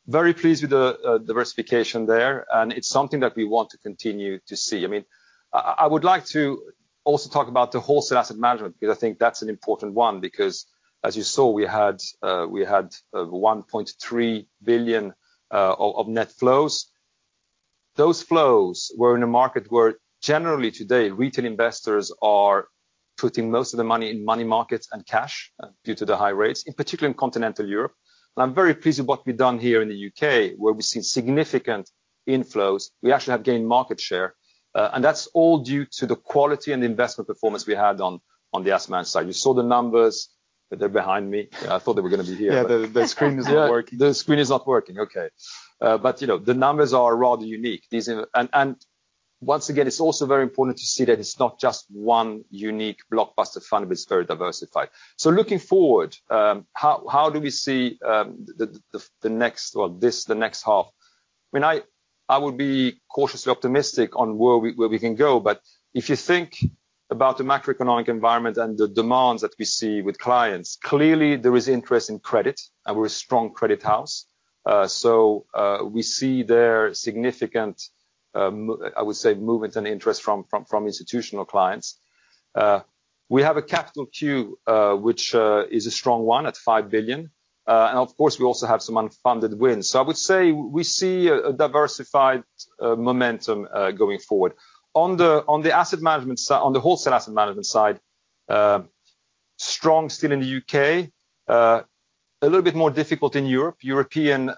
Very pleased with the diversification there, and it's something that we want to continue to see. I mean, I would like to also talk about the wholesale asset management, because I think that's an important one, because as you saw, we had one point three billion GBP of net flows. Those flows were in a market where generally today, retail investors are putting most of the money in money markets and cash due to the high rates, in particular in continental Europe. I'm very pleased with what we've done here in the U.K., where we've seen significant inflows. We actually have gained market share, and that's all due to the quality and investment performance we had on the asset management side. You saw the numbers. They're behind me. I thought they were going to be here. Yeah, the screen is not working. The screen is not working, okay. You know, the numbers are rather unique. These are... And once again, it's also very important to see that it's not just one unique blockbuster fund, but it's very diversified. Looking forward, how do we see the next or this, the next half? I mean, I would be cautiously optimistic on where we- where we can go, but if you think about the macroeconomic environment and the demands that we see with clients, clearly there is interest in credit, and we're a strong credit house. We see there significant, I would say, movement and interest from institutional clients. We have a capital queue, which is a strong one at 5 billion. Of course, we also have some unfunded wins. So I would say we see a diversified momentum going forward. On the asset management side, on the wholesale asset management side, strong still in the U.K., a little bit more difficult in Europe. European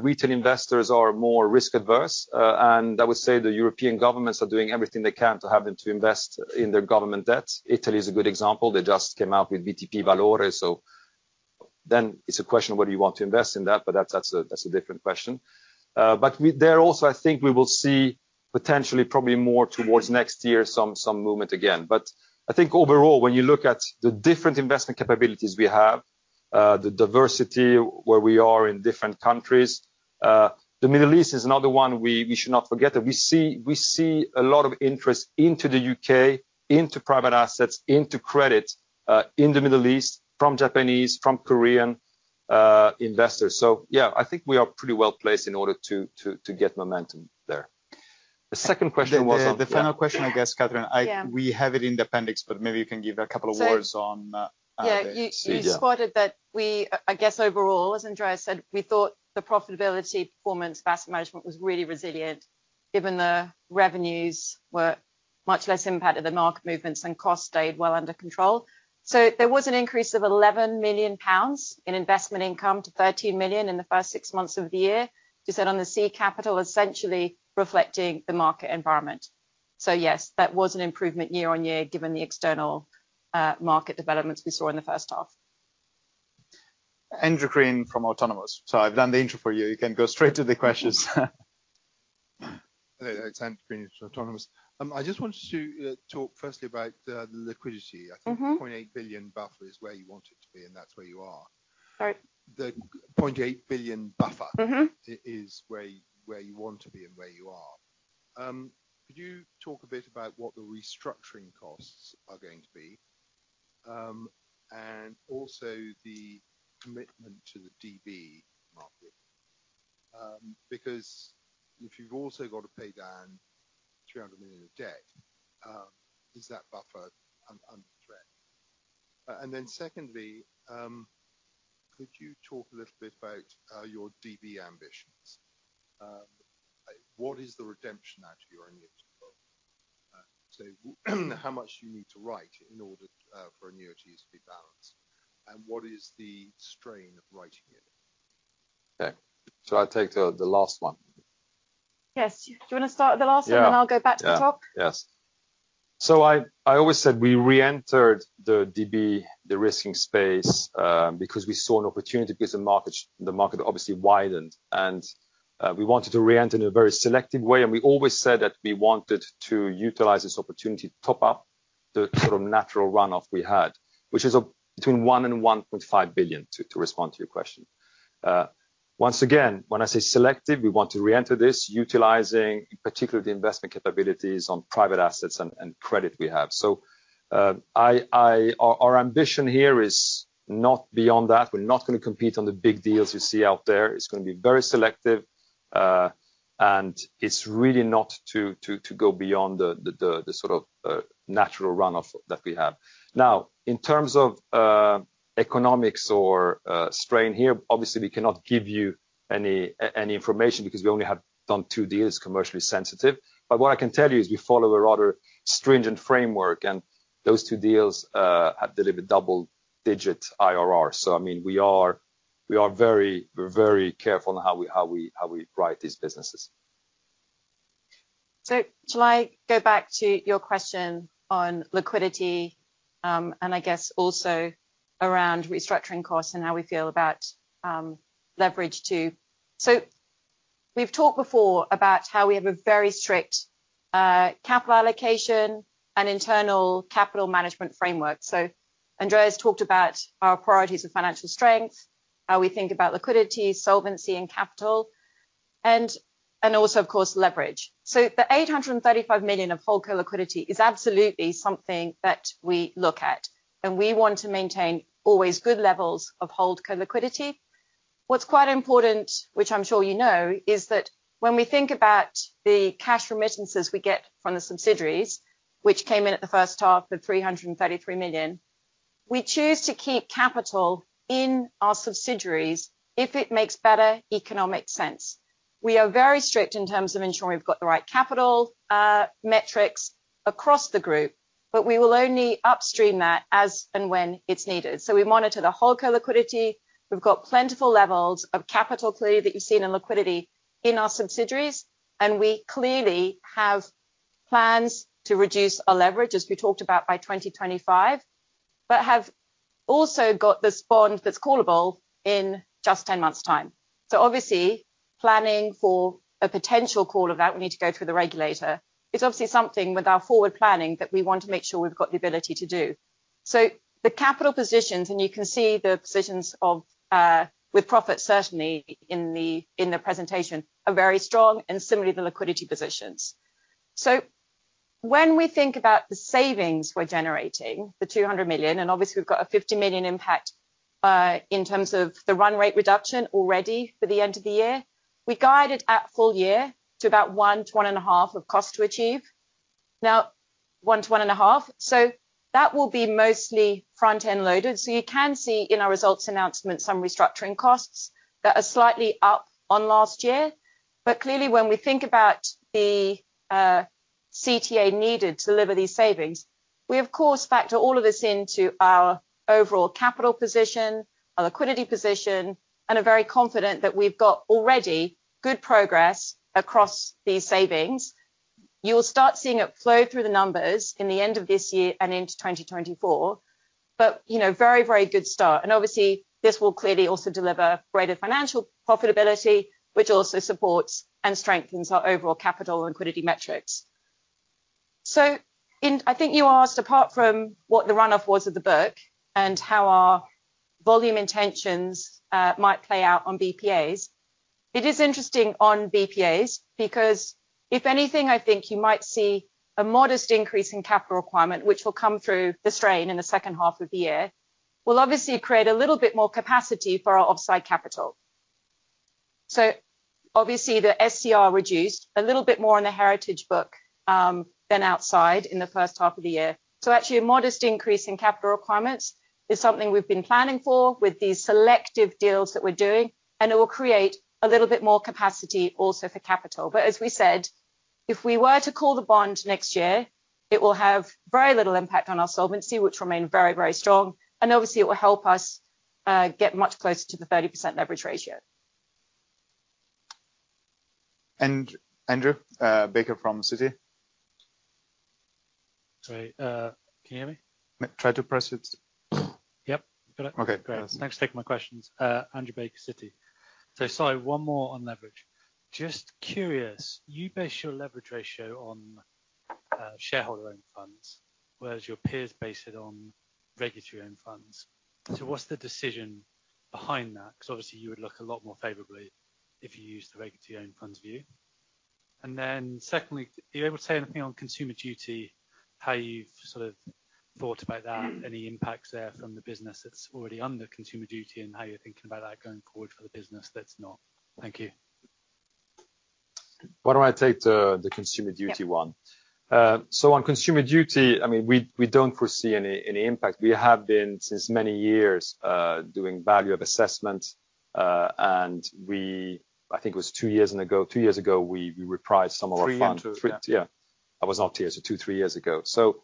retail investors are more risk averse, and I would say the European governments are doing everything they can to have them to invest in their government debts. Italy is a good example. They just came out with BTP Valore, so then it's a question of whether you want to invest in that, but that's a different question. But there also, I think we will see potentially, probably more towards next year, some movement again. But I think overall, when you look at the different investment capabilities we have, the diversity, where we are in different countries, the Middle East is another one we should not forget, that we see a lot of interest into the UK, into private assets, into credit, in the Middle East, from Japanese, from Korean, investors. So yeah, I think we are pretty well placed in order to get momentum there. The second question was on- The final question, I guess, Kathryn- Yeah. We have it in the appendix, but maybe you can give a couple of words on- Yeah. Yeah. You, you spotted that we... I, I guess overall, as Andrea said, we thought the profitability performance asset management was really resilient, given the revenues were much less impacted, the market movements and costs stayed well under control. There was an increase of 11 million pounds in investment income to 13 million in the first six months of the year. Just that on the seed capital, essentially reflecting the market environment.... Yes, that was an improvement year on year, given the external, market developments we saw in the first half. Andrew Crean from Autonomous. So I've done the intro for you. You can go straight to the questions. Hey, it's Andrew Crean from Autonomous Research. I just wanted to talk firstly about the liquidity. Mm-hmm. I think 0.8 billion buffer is where you want it to be, and that's where you are. Right. The 0.8 billion buffer- Mm-hmm - is where, where you want to be and where you are. Could you talk a bit about what the restructuring costs are going to be, and also the commitment to the DB market? Because if you've also got to pay down 300 million of debt, is that buffer under threat? And then secondly, could you talk a little bit about your DB ambitions? What is the redemption out to your annuity program? So how much do you need to write in order for annuities to be balanced, and what is the strain of writing it? Okay, so I'll take the last one. Yes. Do you wanna start with the last one- Yeah. And I'll go back to the top? Yeah. Yes. I always said we reentered the DB de-risking space because we saw an opportunity, because the market obviously widened, and we wanted to reenter in a very selective way, and we always said that we wanted to utilize this opportunity to top up the sort of natural run-off we had, which is between 1 billion-1.5 billion, to respond to your question. Once again, when I say selective, we want to reenter this utilizing particularly the investment capabilities on private assets and credit we have. I-- our ambition here is not beyond that. We're not gonna compete on the big deals you see out there. It's gonna be very selective, and it's really not to go beyond the sort of natural run-off that we have. Now, in terms of economics or strain here, obviously, we cannot give you any information because we only have done two deals, commercially sensitive. But what I can tell you is we follow a rather stringent framework, and those two deals have delivered double-digit IRR. So I mean, we are very, very careful on how we write these businesses. Shall I go back to your question on liquidity, and I guess also around restructuring costs and how we feel about leverage, too. We've talked before about how we have a very strict, capital allocation and internal capital management framework. Andrea talked about our priorities of financial strength, how we think about liquidity, solvency, and capital, and, and also, of course, leverage. The 835 million of Holdco liquidity is absolutely something that we look at, and we want to maintain always good levels of Holdco liquidity. What's quite important, which I'm sure you know, is that when we think about the cash remittances we get from the subsidiaries, which came in at the first half of 333 million, we choose to keep capital in our subsidiaries if it makes better economic sense. We are very strict in terms of ensuring we've got the right capital, metrics across the group, but we will only upstream that as and when it's needed. So we monitor the whole Holdco liquidity. We've got plentiful levels of capital, clearly, that you see in liquidity in our subsidiaries, and we clearly have plans to reduce our leverage, as we talked about by 2025, but have also got this bond that's callable in just 10 months' time. So obviously, planning for a potential call of that, we need to go through the regulator. It's obviously something with our forward planning that we want to make sure we've got the ability to do. So the capital positions, and you can see the positions of, With-Profits, certainly in the presentation, are very strong and similarly, the liquidity positions. When we think about the savings we're generating, the 200 million, and obviously we've got a 50 million impact in terms of the run rate reduction already for the end of the year, we guided at full year to about 1-1.5 of cost to achieve. Now, 1-1.5, so that will be mostly front-end loaded. You can see in our results announcement some restructuring costs that are slightly up on last year. Clearly, when we think about the CTA needed to deliver these savings, we of course factor all of this into our overall capital position, our liquidity position, and are very confident that we've got already good progress across these savings. You'll start seeing it flow through the numbers in the end of this year and into 2024, but you know, very, very good start. And obviously, this will clearly also deliver greater financial profitability, which also supports and strengthens our overall capital and liquidity metrics. So in... I think you asked, apart from what the run-off was of the book and how our volume intentions might play out on BPAs. It is interesting on BPAs, because if anything, I think you might see a modest increase in capital requirement, which will come through the strain in the second half of the year, will obviously create a little bit more capacity for our offsite capital. So obviously, the SCR reduced a little bit more on the heritage book than outside in the first half of the year. So actually, a modest increase in capital requirements is something we've been planning for with these selective deals that we're doing, and it will create a little bit more capacity also for capital. But as we said, if we were to call the bond next year, it will have very little impact on our solvency, which remain very, very strong, and obviously it will help us get much closer to the 30% leverage ratio.... Andrew Baker from Citi. Sorry, can you hear me? Try to press it. Yep, got it. Okay, great. Thanks for taking my questions. Andrew Baker, Citi. So sorry, one more on leverage. Just curious, you base your leverage ratio on shareholder own funds, whereas your peers base it on regulatory own funds. So what's the decision behind that? Because obviously you would look a lot more favorably if you use the regulatory own funds view. And then secondly, are you able to say anything on consumer duty, how you've sort of thought about that? Any impacts there from the business that's already under consumer duty, and how you're thinking about that going forward for the business that's not. Thank you. Why don't I take the consumer duty one? Yeah. So on consumer Duty, I mean, we don't foresee any impact. We have been, since many years, doing value assessment, and I think it was 2 years ago, we repriced some of our funds. Three years, yeah. Yeah. I was not here 2-3 years ago. So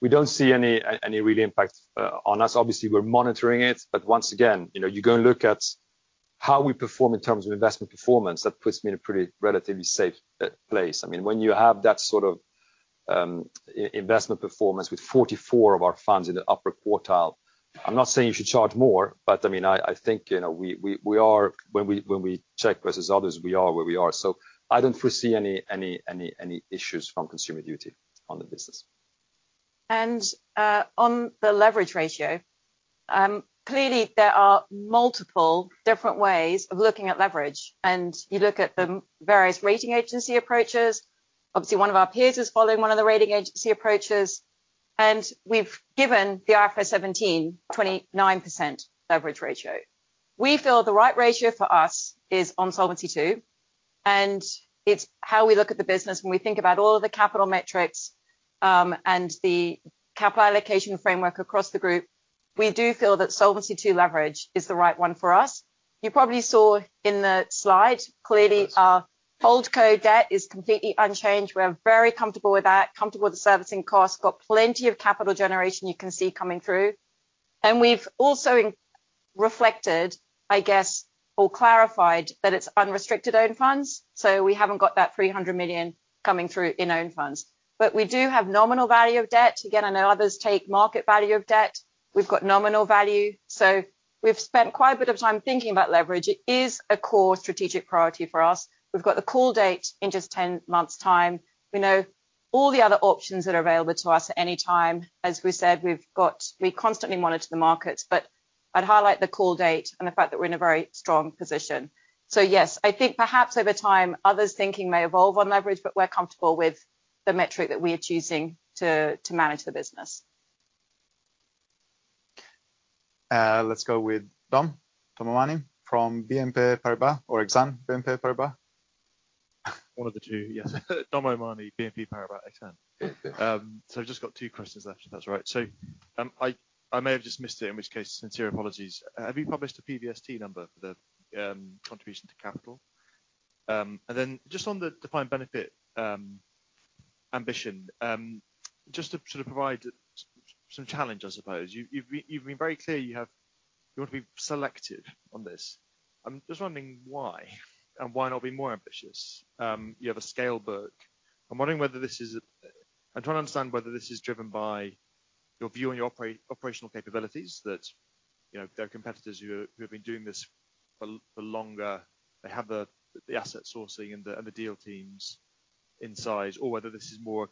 we don't see any really impact on us. Obviously, we're monitoring it, but once again, you know, you go and look at how we perform in terms of investment performance, that puts me in a pretty relatively safe place. I mean, when you have that sort of investment performance with 44 of our funds in the upper quartile, I'm not saying you should charge more, but I mean, I think, you know, we are... When we check versus others, we are where we are, so I don't foresee any issues from consumer duty on the business. On the leverage ratio, clearly there are multiple different ways of looking at leverage, and you look at the various rating agency approaches. Obviously, one of our peers is following one of the rating agency approaches, and we've given the IFRS 17, 29% leverage ratio. We feel the right ratio for us is on Solvency II, and it's how we look at the business when we think about all of the capital metrics, and the capital allocation framework across the group. We do feel that Solvency II leverage is the right one for us. You probably saw in the slide, clearly our Holdco debt is completely unchanged. We're very comfortable with that, comfortable with the servicing costs, got plenty of capital generation you can see coming through. And we've also inferred, I guess, or clarified, that it's unrestricted own funds, so we haven't got that 300 million coming through in own funds. But we do have nominal value of debt. Again, I know others take market value of debt. We've got nominal value. So we've spent quite a bit of time thinking about leverage. It is a core strategic priority for us. We've got the call date in just 10 months' time. We know all the other options that are available to us at any time. As we said, we've got we constantly monitor the markets, but I'd highlight the call date and the fact that we're in a very strong position. So yes, I think perhaps over time, others' thinking may evolve on leverage, but we're comfortable with the metric that we are choosing to manage the business. Let's go with Dom. Dom O'Mahony from BNP Paribas Exane. One of the two, yes. Dominic O'Mahony, BNP Paribas Exane. Yeah. So I've just got two questions left, if that's all right. So, I may have just missed it, in which case, sincere apologies. Have you published a PVST number for the contribution to capital? And then just on the defined benefit ambition, just to sort of provide some challenge, I suppose. You've been very clear, you have you want to be selective on this. I'm just wondering why, and why not be more ambitious? You have a scale book. I'm wondering whether this is. I'm trying to understand whether this is driven by your view on your operational capabilities, that you know, there are competitors who have been doing this for longer. They have the asset sourcing and the deal teams in size, or whether this is more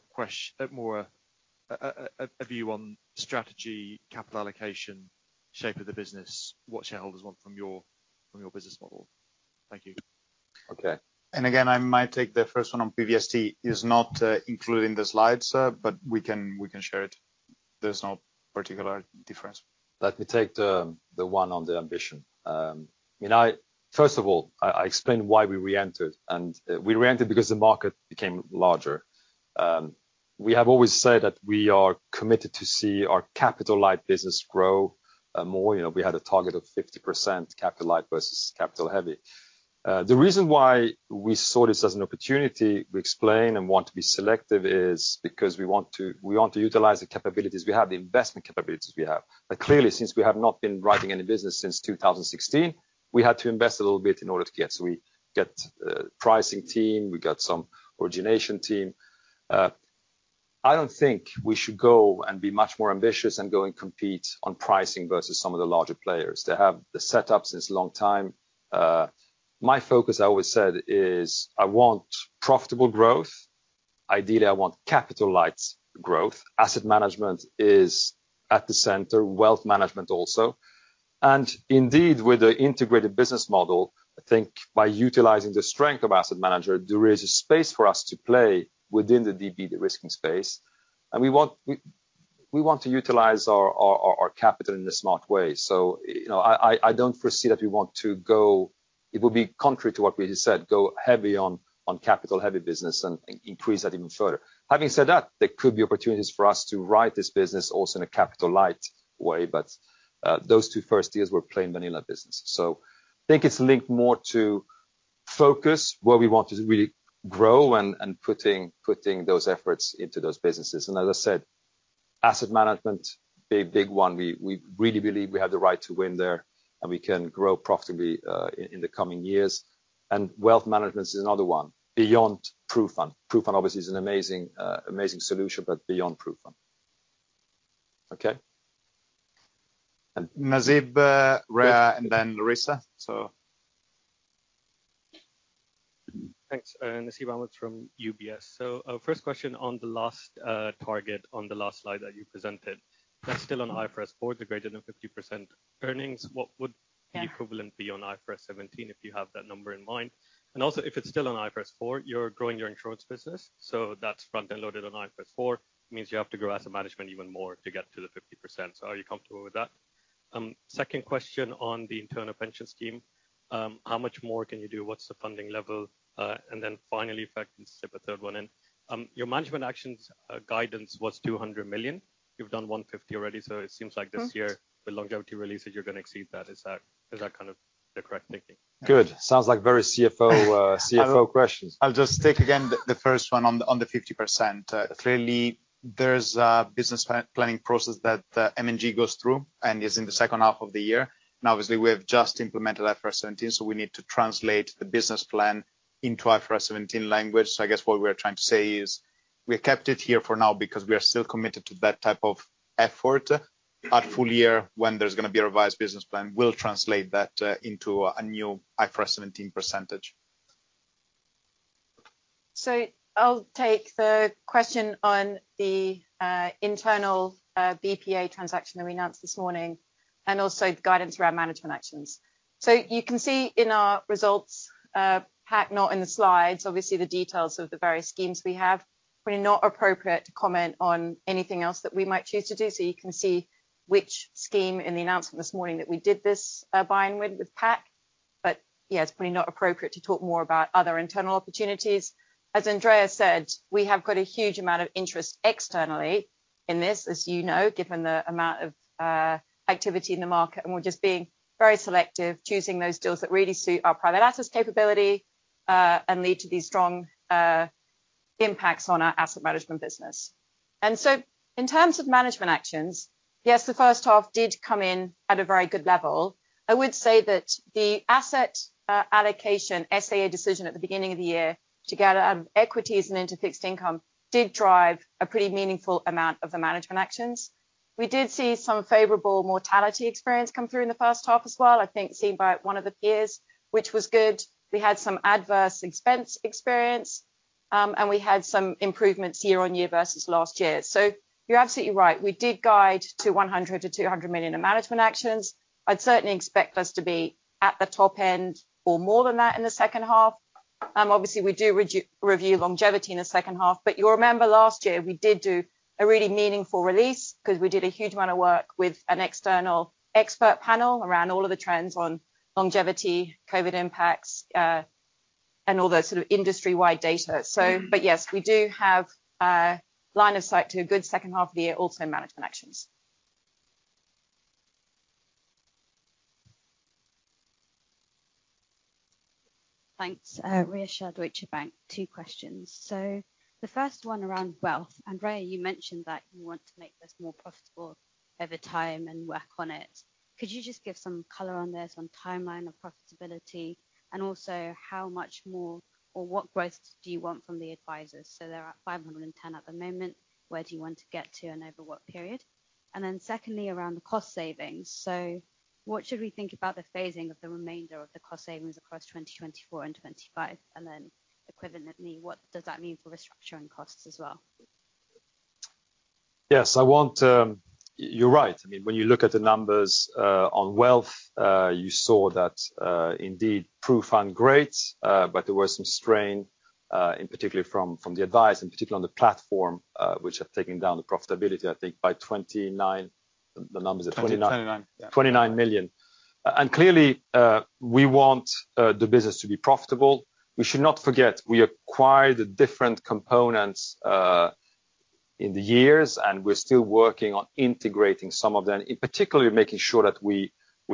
a view on strategy, capital allocation, shape of the business, what shareholders want from your business model? Thank you. Okay. And again, I might take the first one on PVST. It's not included in the slides, but we can, we can share it. There's no particular difference. Let me take the one on the ambition. You know, first of all, I explained why we reentered, and we reentered because the market became larger. We have always said that we are committed to see our capital-light business grow more. You know, we had a target of 50% capital light versus capital heavy. The reason why we saw this as an opportunity, we explain and want to be selective, is because we want to, we want to utilize the capabilities we have, the investment capabilities we have. But clearly, since we have not been writing any business since 2016, we had to invest a little bit in order to get. So we get pricing team, we got some origination team. I don't think we should go and be much more ambitious and go and compete on pricing versus some of the larger players. They have the setup since a long time. My focus, I always said, is I want profitable growth. Ideally, I want capital light growth. Asset management is at the center, wealth management also, and indeed, with the integrated business model, I think by utilizing the strength of asset manager, there is a space for us to play within the DB de-risking space, and we want to utilize our capital in a smart way. So, you know, I don't foresee that we want to go... It would be contrary to what we just said, go heavy on capital-heavy business and increase that even further. Having said that, there could be opportunities for us to write this business also in a capital light way, but those two first years were plain vanilla business. So I think it's linked more to focus where we want to really grow and putting those efforts into those businesses. And as I said, Asset management, big, big one. We really believe we have the right to win there, and we can grow profitably in the coming years. And wealth management is another one, beyond PruFund. PruFund, obviously, is an amazing, amazing solution, but beyond PruFund. Okay? And- Nasib, Rhea, and then Larissa. So... Thanks. Nasib Ahmed from UBS. So, first question on the last target on the last slide that you presented, that's still on IFRS 4, the greater than 50% earnings. What would the equivalent- Yeah be on IFRS 17, if you have that number in mind? And also, if it's still on IFRS 4, you're growing your insurance business, so that's front and loaded on IFRS 4, means you have to grow asset management even more to get to the 50%. So are you comfortable with that? Second question on the internal pension scheme. How much more can you do? What's the funding level? And then finally, if I can slip a third one in. Your management actions, guidance was 200 million. You've done 150 million already, so it seems like this year- Mm The longevity releases, you're going to exceed that. Is that, is that kind of the correct thinking? Good. Sounds like very CFO, CFO questions. I'll just take again the first one on the 50%. Clearly, there's a business planning process that M&G goes through and is in the second half of the year. And obviously, we have just implemented IFRS 17, so we need to translate the business plan into IFRS 17 language. So I guess what we are trying to say is, we have kept it here for now because we are still committed to that type of effort. At full year, when there's going to be a revised business plan, we'll translate that into a new IFRS 17 percentage. So I'll take the question on the internal BPA transaction that we announced this morning, and also the guidance around management actions. You can see in our results pack, not in the slides, obviously, the details of the various schemes we have. Probably not appropriate to comment on anything else that we might choose to do. You can see which scheme in the announcement this morning that we did this buying with PAC. But yeah, it's probably not appropriate to talk more about other internal opportunities. As Andrea said, we have got a huge amount of interest externally in this, as you know, given the amount of activity in the market, and we're just being very selective, choosing those deals that really suit our private assets capability, and lead to these strong impacts on our asset management business. So in terms of management actions, yes, the first half did come in at a very good level. I would say that the asset allocation, SAA decision at the beginning of the year, to get out of equities and into fixed income, did drive a pretty meaningful amount of the management actions. We did see some favorable mortality experience come through in the first half as well. I think seen by one of the peers, which was good. We had some adverse expense experience, and we had some improvements year-on-year versus last year. So you're absolutely right, we did guide to 100 million-200 million in management actions. I'd certainly expect us to be at the top end or more than that in the second half. Obviously, we do review longevity in the second half, but you remember last year, we did do a really meaningful release, 'cause we did a huge amount of work with an external expert panel around all of the trends on longevity, COVID impacts, and all the sort of industry-wide data. So, but yes, we do have a line of sight to a good second half of the year, also in management actions. Thanks. Rhea Shah, Deutsche Bank. Two questions. So the first one around wealth. Andrea, you mentioned that you want to make this more profitable over time and work on it. Could you just give some color on this, on timeline of profitability, and also how much more or what growth do you want from the advisors? So they're at 510 at the moment. Where do you want to get to, and over what period? And then secondly, around the cost savings. So what should we think about the phasing of the remainder of the cost savings across 2024 and 2025? And then equivalently, what does that mean for the structuring costs as well? Yes, I want, You're right. I mean, when you look at the numbers, on wealth, you saw that, indeed, PruFund, great, but there was some strain, in particular from the advice, in particular on the platform, which have taken down the profitability, I think by 29, the numbers are 29? Twenty-nine. 29 million. Clearly, we want the business to be profitable. We should not forget, we acquired the different components in the years, and we're still working on integrating some of them, in particular, making sure that we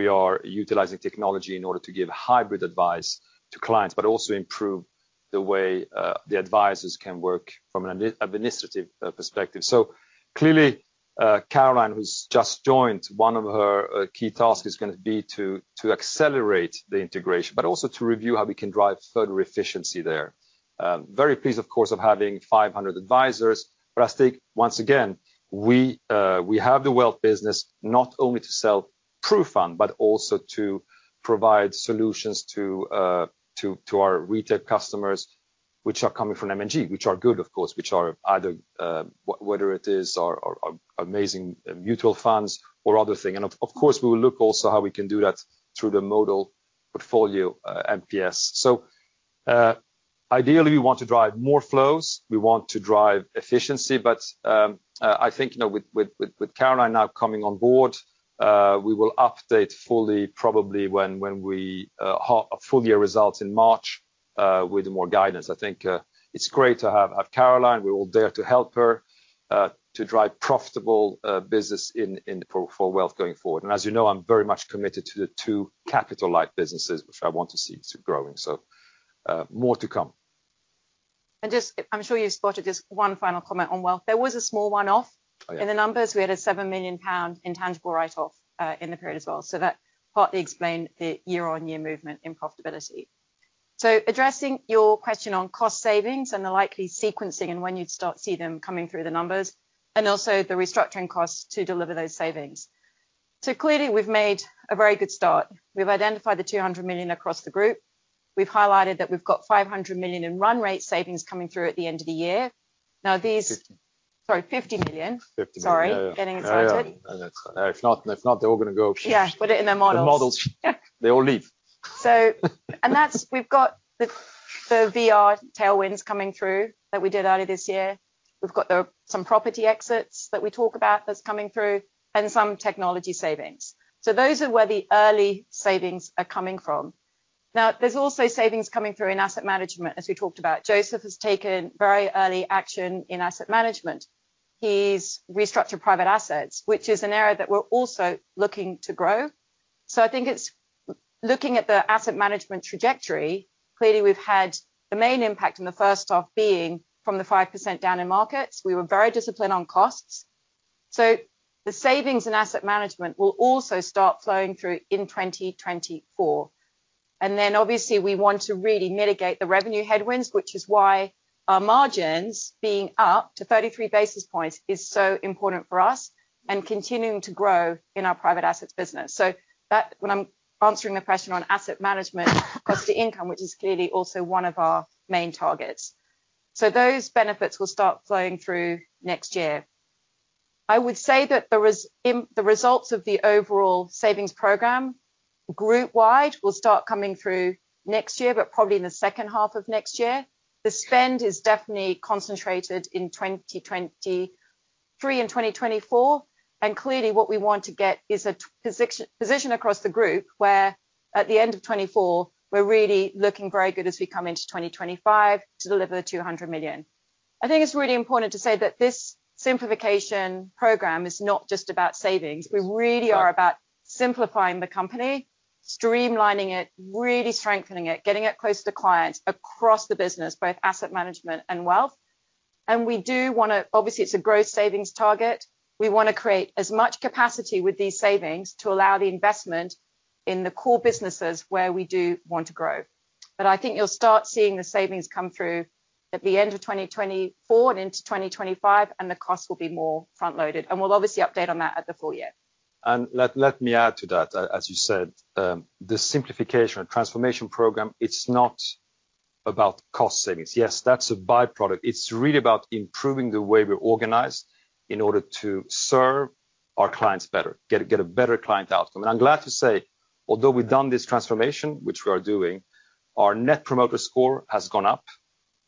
are utilizing technology in order to give hybrid advice to clients, but also improve the way the advisors can work from an administrative perspective. So clearly, Caroline, who's just joined, one of her key tasks is gonna be to accelerate the integration, but also to review how we can drive further efficiency there. Very pleased, of course, of having 500 advisors. I think once again, we have the wealth business not only to sell PruFund, but also to provide solutions to our retail customers, which are coming from M&G, which are good, of course, which are either whether it is our amazing mutual funds or other thing. And of course, we will look also how we can do that through the model portfolio, MPS. So ideally, we want to drive more flows, we want to drive efficiency, but I think, you know, with Caroline now coming on board, we will update fully, probably when we full year results in March, with more guidance. I think it's great to have Caroline. We're all there to help her to drive profitable business in for wealth going forward. And as you know, I'm very much committed to the two capital-like businesses, which I want to see growing. So, more to come.... And just, I'm sure you spotted just one final comment on Wealth. There was a small one-off- Oh, yeah. in the numbers. We had a 7 million pound intangible write-off in the period as well. So that partly explained the year-on-year movement in profitability. So addressing your question on cost savings and the likely sequencing, and when you'd start to see them coming through the numbers, and also the restructuring costs to deliver those savings. So clearly, we've made a very good start. We've identified the 200 million across the group. We've highlighted that we've got 500 million in run rate savings coming through at the end of the year. Now, these- Fifty. Sorry, 50 million. Fifty million. Sorry, getting excited. Yeah, yeah. If not, if not, they're all gonna go. Yeah, put it in the models. The models. Yeah. They all leave. So, and that's, we've got the VR tailwinds coming through that we did earlier this year. We've got some property exits that we talk about that's coming through, and some technology savings. So those are where the early savings are coming from. Now, there's also savings coming through in asset management, as we talked about. Joseph has taken very early action in asset management. He's restructured private assets, which is an area that we're also looking to grow. So I think it's looking at the asset management trajectory, clearly, we've had the main impact in the first half being from the 5% down in markets. We were very disciplined on costs. So the savings in asset management will also start flowing through in 2024. Obviously, we want to really mitigate the revenue headwinds, which is why our margins being up to 33 basis points is so important for us and continuing to grow in our private assets business. That-- when I'm answering the question on asset management, cost-to-income, which is clearly also one of our main targets. Those benefits will start flowing through next year. I would say that the results of the overall savings program, group wide, will start coming through next year, but probably in the second half of next year. The spend is definitely concentrated in 2023 and 2024, and clearly, what we want to get is a posit-position across the group, where at the end of 2024, we're really looking very good as we come into 2025 to deliver the 200 million. I think it's really important to say that this simplification program is not just about savings. Right. We really are about simplifying the company, streamlining it, really strengthening it, getting it closer to clients across the business, both asset management and wealth. And we do wanna... Obviously, it's a growth savings target. We wanna create as much capacity with these savings to allow the investment in the core businesses where we do want to grow. But I think you'll start seeing the savings come through at the end of 2024 and into 2025, and the cost will be more front-loaded, and we'll obviously update on that at the full year. And let me add to that. As you said, the simplification or transformation program, it's not about cost savings. Yes, that's a by-product. It's really about improving the way we're organized in order to serve our clients better, get a better client outcome. And I'm glad to say, although we've done this transformation, which we are doing, our Net Promoter Score has gone up.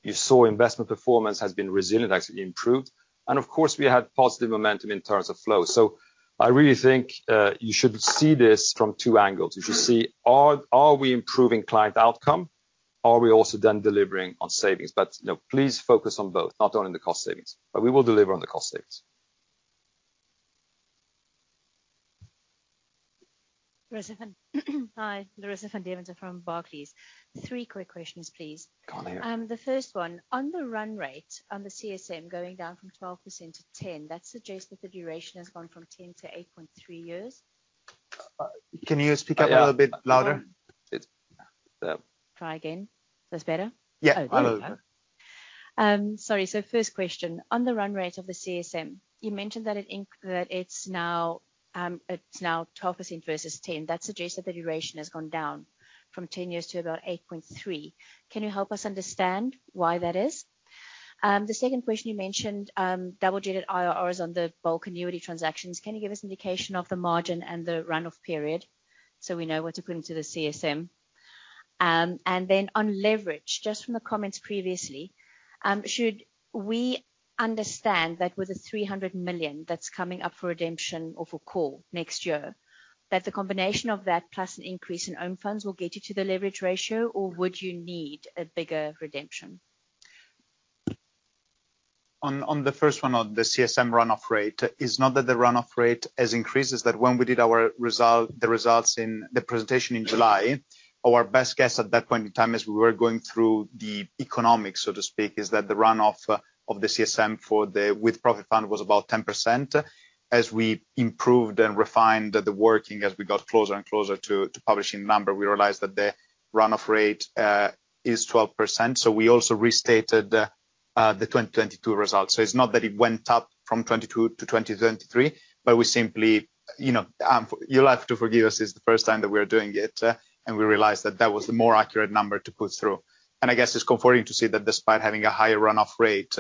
You saw investment performance has been resilient, actually improved, and of course, we had positive momentum in terms of flow. So I really think, you should see this from two angles. Mm-hmm. You should see, are we improving client outcome? Are we also then delivering on savings? But, you know, please focus on both, not only on the cost savings. But we will deliver on the cost savings. Larissa van, hi, Larissa van Deventer from Barclays. Three quick questions, please. Go on then. The first one, on the run rate, on the CSM going down from 12% to 10%, that suggests that the duration has gone from 10 to 8.3 years? Can you just speak up a little bit louder? It's, uh- Try again. That's better? Yeah. There we go. All right. Sorry, so first question, on the run rate of the CSM, you mentioned that it's now 12% versus 10%. That suggests that the duration has gone down from 10 years to about 8.3. Can you help us understand why that is? The second question, you mentioned double-digit IRRs on the bulk annuity transactions. Can you give us indication of the margin and the run-off period, so we know what to put into the CSM? And then on leverage, just from the comments previously, should we understand that with the 300 million that's coming up for redemption or for call next year, that the combination of that plus an increase in own funds will get you to the leverage ratio, or would you need a bigger redemption? On the first one, on the CSM run-off rate, it's not that the run-off rate has increased, it's that when we did our result, the results in the presentation in July, our best guess at that point in time, as we were going through the economics, so to speak, is that the run-off of the CSM for the With-Profits Fund was about 10%. As we improved and refined the working, as we got closer and closer to publishing the number, we realized that the run-off rate is 12%. So we also restated the 2022 results. So it's not that it went up from 2022 to 2023, but we simply... You know, you'll have to forgive us, it's the first time that we are doing it, and we realized that that was the more accurate number to put through. I guess it's comforting to see that despite having a higher run-off rate,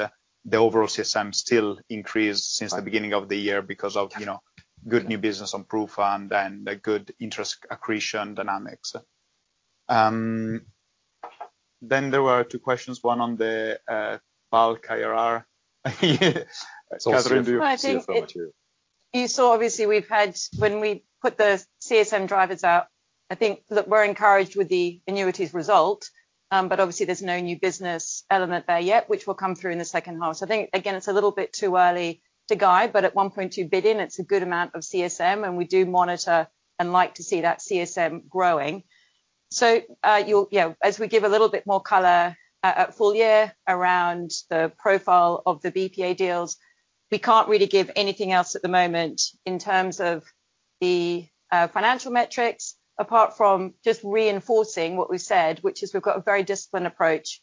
the overall CSM still increased since the beginning of the year because of, you know, good new business on PruFund and the good interest accretion dynamics. Then there were two questions, one on the bulk IRR. Kathryn, do you- I think it-... see if over to you. You saw obviously we've had when we put the CSM drivers out, I think that we're encouraged with the annuities result, but obviously there's no new business element there yet, which will come through in the second half. So I think, again, it's a little bit too early to guide, but at 1.2 billion, it's a good amount of CSM, and we do monitor and like to see that CSM growing. So, you'll, yeah, as we give a little bit more color at full year around the profile of the BPA deals, we can't really give anything else at the moment in terms of the financial metrics, apart from just reinforcing what we said, which is we've got a very disciplined approach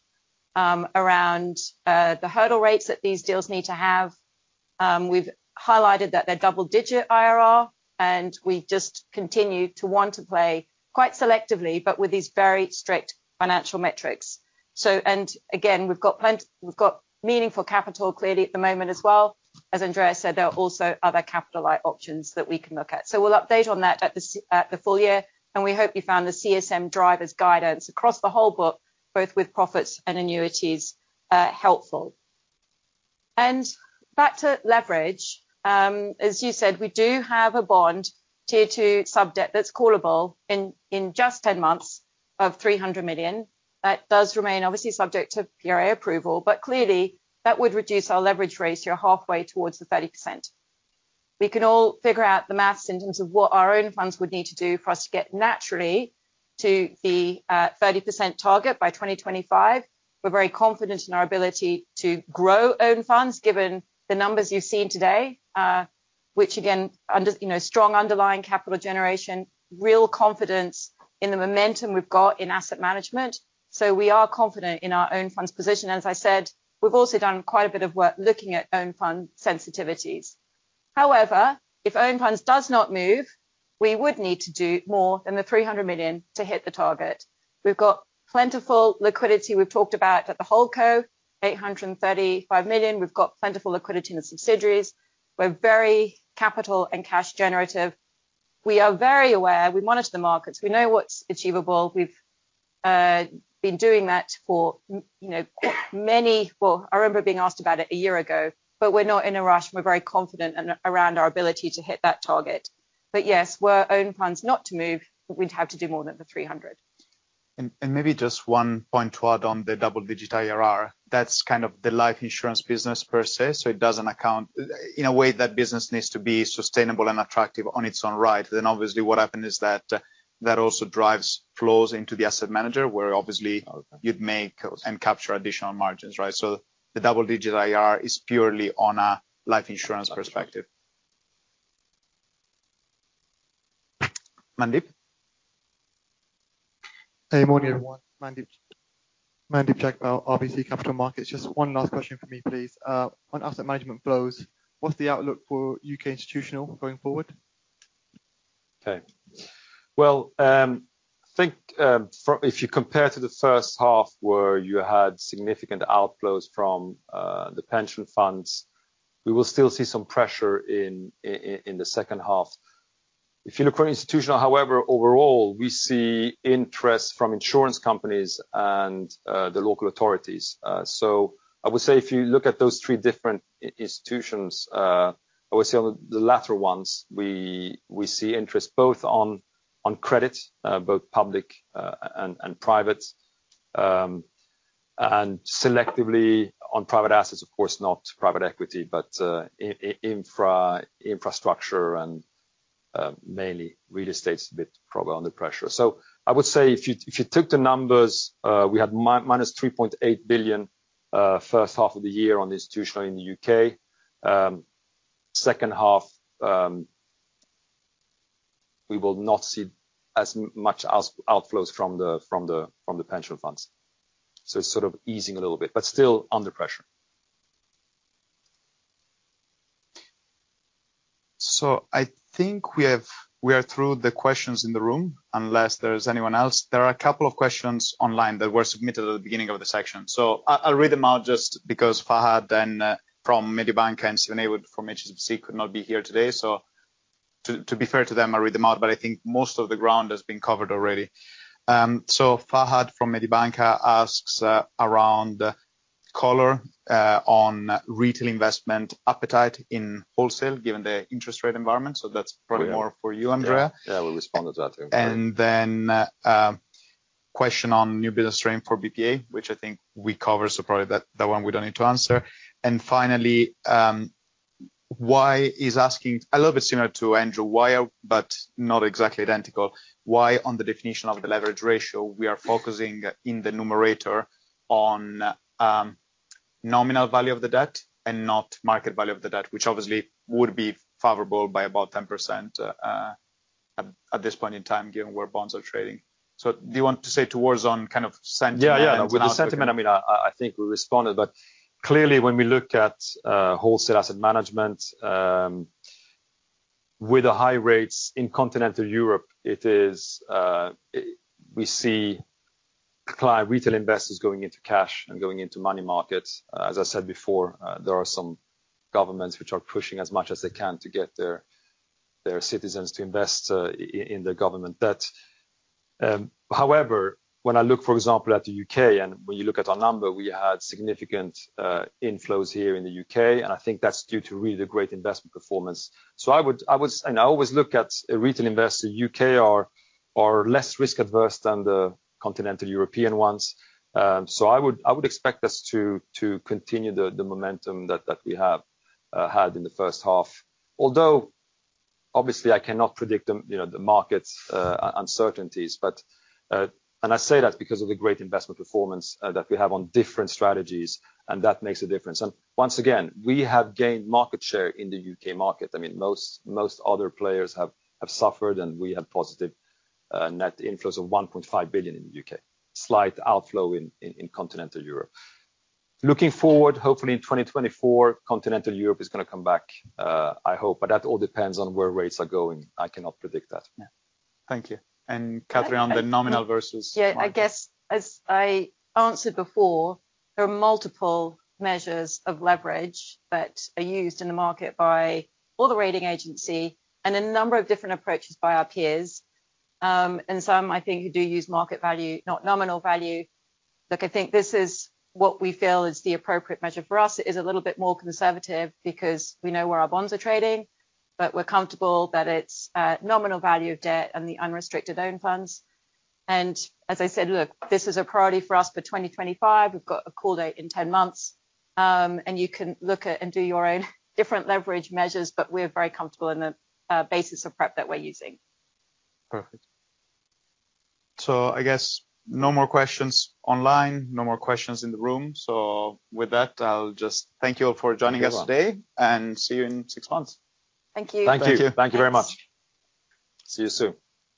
around the hurdle rates that these deals need to have. We've highlighted that they're double-digit IRR, and we just continue to want to play quite selectively, but with these very strict financial metrics. And again, we've got plenty. We've got meaningful capital clearly at the moment as well. As Andrea said, there are also other capital light options that we can look at. We'll update on that at the full year, and we hope you found the CSM drivers guidance across the whole book, both with profits and annuities, helpful. And back to leverage, as you said, we do have a bond, tier two sub-debt, that's callable in just 10 months of 300 million. That does remain obviously subject to PRA approval, but clearly, that would reduce our leverage ratio halfway towards the 30%. We can all figure out the math in terms of what our own funds would need to do for us to get naturally to the 30% target by 2025. We're very confident in our ability to grow own funds, given the numbers you've seen today, which again, under, you know, strong underlying capital generation, real confidence in the momentum we've got in asset management. So we are confident in our own funds position. As I said, we've also done quite a bit of work looking at own fund sensitivities. However, if own funds does not move, we would need to do more than the 300 million to hit the target. We've got plentiful liquidity. We've talked about at the Holdco, 835 million. We've got plentiful liquidity in the subsidiaries. We're very capital and cash generative. We are very aware. We monitor the markets. We know what's achievable. We've been doing that for, you know, many Well, I remember being asked about it a year ago, but we're not in a rush, and we're very confident around our ability to hit that target. But yes, were own funds not to move, we'd have to do more than 300. And maybe just one point to add on the double-digit IRR. That's kind of the life insurance business per se, so it doesn't account... In a way, that business needs to be sustainable and attractive on its own right. Then, obviously, what happened is that, that also drives flows into the asset manager, where obviously you'd make and capture additional margins, right? So the double-digit IRR is purely on a life insurance perspective. Mandeep? Hey, morning, everyone. Mandeep, Mandeep Jagpal, RBC Capital Markets. Just one last question for me, please. On asset management flows, what's the outlook for UK institutional going forward? Okay. Well, I think, from-- if you compare to the first half, where you had significant outflows from the pension funds, we will still see some pressure in the second half. If you look for institutional, however, overall, we see interest from insurance companies and the local authorities. I would say if you look at those three different institutions, I would say on the latter ones, we see interest both on credit, both public and private, and selectively on private assets, of course, not private equity, but infra, infrastructure and mainly real estate is a bit probably under pressure. I would say if you took the numbers, we had minus 3.8 billion first half of the year on institutional in the U.K. Second half, we will not see as much as outflows from the pension funds. So it's sort of easing a little bit, but still under pressure. So I think we are through the questions in the room, unless there's anyone else. There are a couple of questions online that were submitted at the beginning of the section. So I'll read them out just because Fahad and from Mediobanca and Saeid from HSBC could not be here today. So to be fair to them, I'll read them out, but I think most of the ground has been covered already. So Fahad from Mediobanca asks around color on retail investment appetite in wholesale, given the interest rate environment. So that's probably more for you, Andrea. Yeah, we responded to that. And then, question on new business stream for BPA, which I think we covered, so probably that, that one we don't need to answer. And finally, why... He's asking, a little bit similar to Andrew, why, but not exactly identical. Why on the definition of the leverage ratio, we are focusing in the numerator on nominal value of the debt and not market value of the debt, which obviously would be favorable by about 10%, at this point in time, given where bonds are trading. So do you want to say two words on kind of sentiment? Yeah, yeah. With the sentiment, I mean, I think we responded, but clearly, when we look at wholesale asset management, with the high rates in continental Europe, it is... We see client retail investors going into cash and going into money markets. As I said before, there are some governments which are pushing as much as they can to get their citizens to invest in the government debt. However, when I look, for example, at the U.K., and when you look at our number, we had significant inflows here in the U.K., and I think that's due to really the great investment performance. I would, I would-- and I always look at retail investors, U.K. are less risk adverse than the continental European ones. So I would, I would expect us to, to continue the, the momentum that, that we have had in the first half. Although, obviously, I cannot predict the, you know, the market's uncertainties, but... And I say that because of the great investment performance that we have on different strategies, and that makes a difference. And once again, we have gained market share in the UK market. I mean, most, most other players have, have suffered, and we have positive net inflows of 1.5 billion in the UK. Slight outflow in, in continental Europe. Looking forward, hopefully in 2024, continental Europe is gonna come back, I hope, but that all depends on where rates are going. I cannot predict that. Yeah. Thank you. And Kathryn, on the nominal versus- Yeah, I guess as I answered before, there are multiple measures of leverage that are used in the market by all the rating agency and a number of different approaches by our peers. And some, I think, who do use market value, not nominal value. Look, I think this is what we feel is the appropriate measure for us. It is a little bit more conservative because we know where our bonds are trading, but we're comfortable that it's nominal value of debt and the unrestricted own funds. And as I said, look, this is a priority for us for 2025. We've got a call date in 10 months, and you can look at and do your own different leverage measures, but we're very comfortable in the basis of prep that we're using. Perfect. So I guess no more questions online, no more questions in the room. So with that, I'll just thank you all for joining us today- Thank you well. and see you in six months. Thank you. Thank you. Thank you. Thank you very much. See you soon.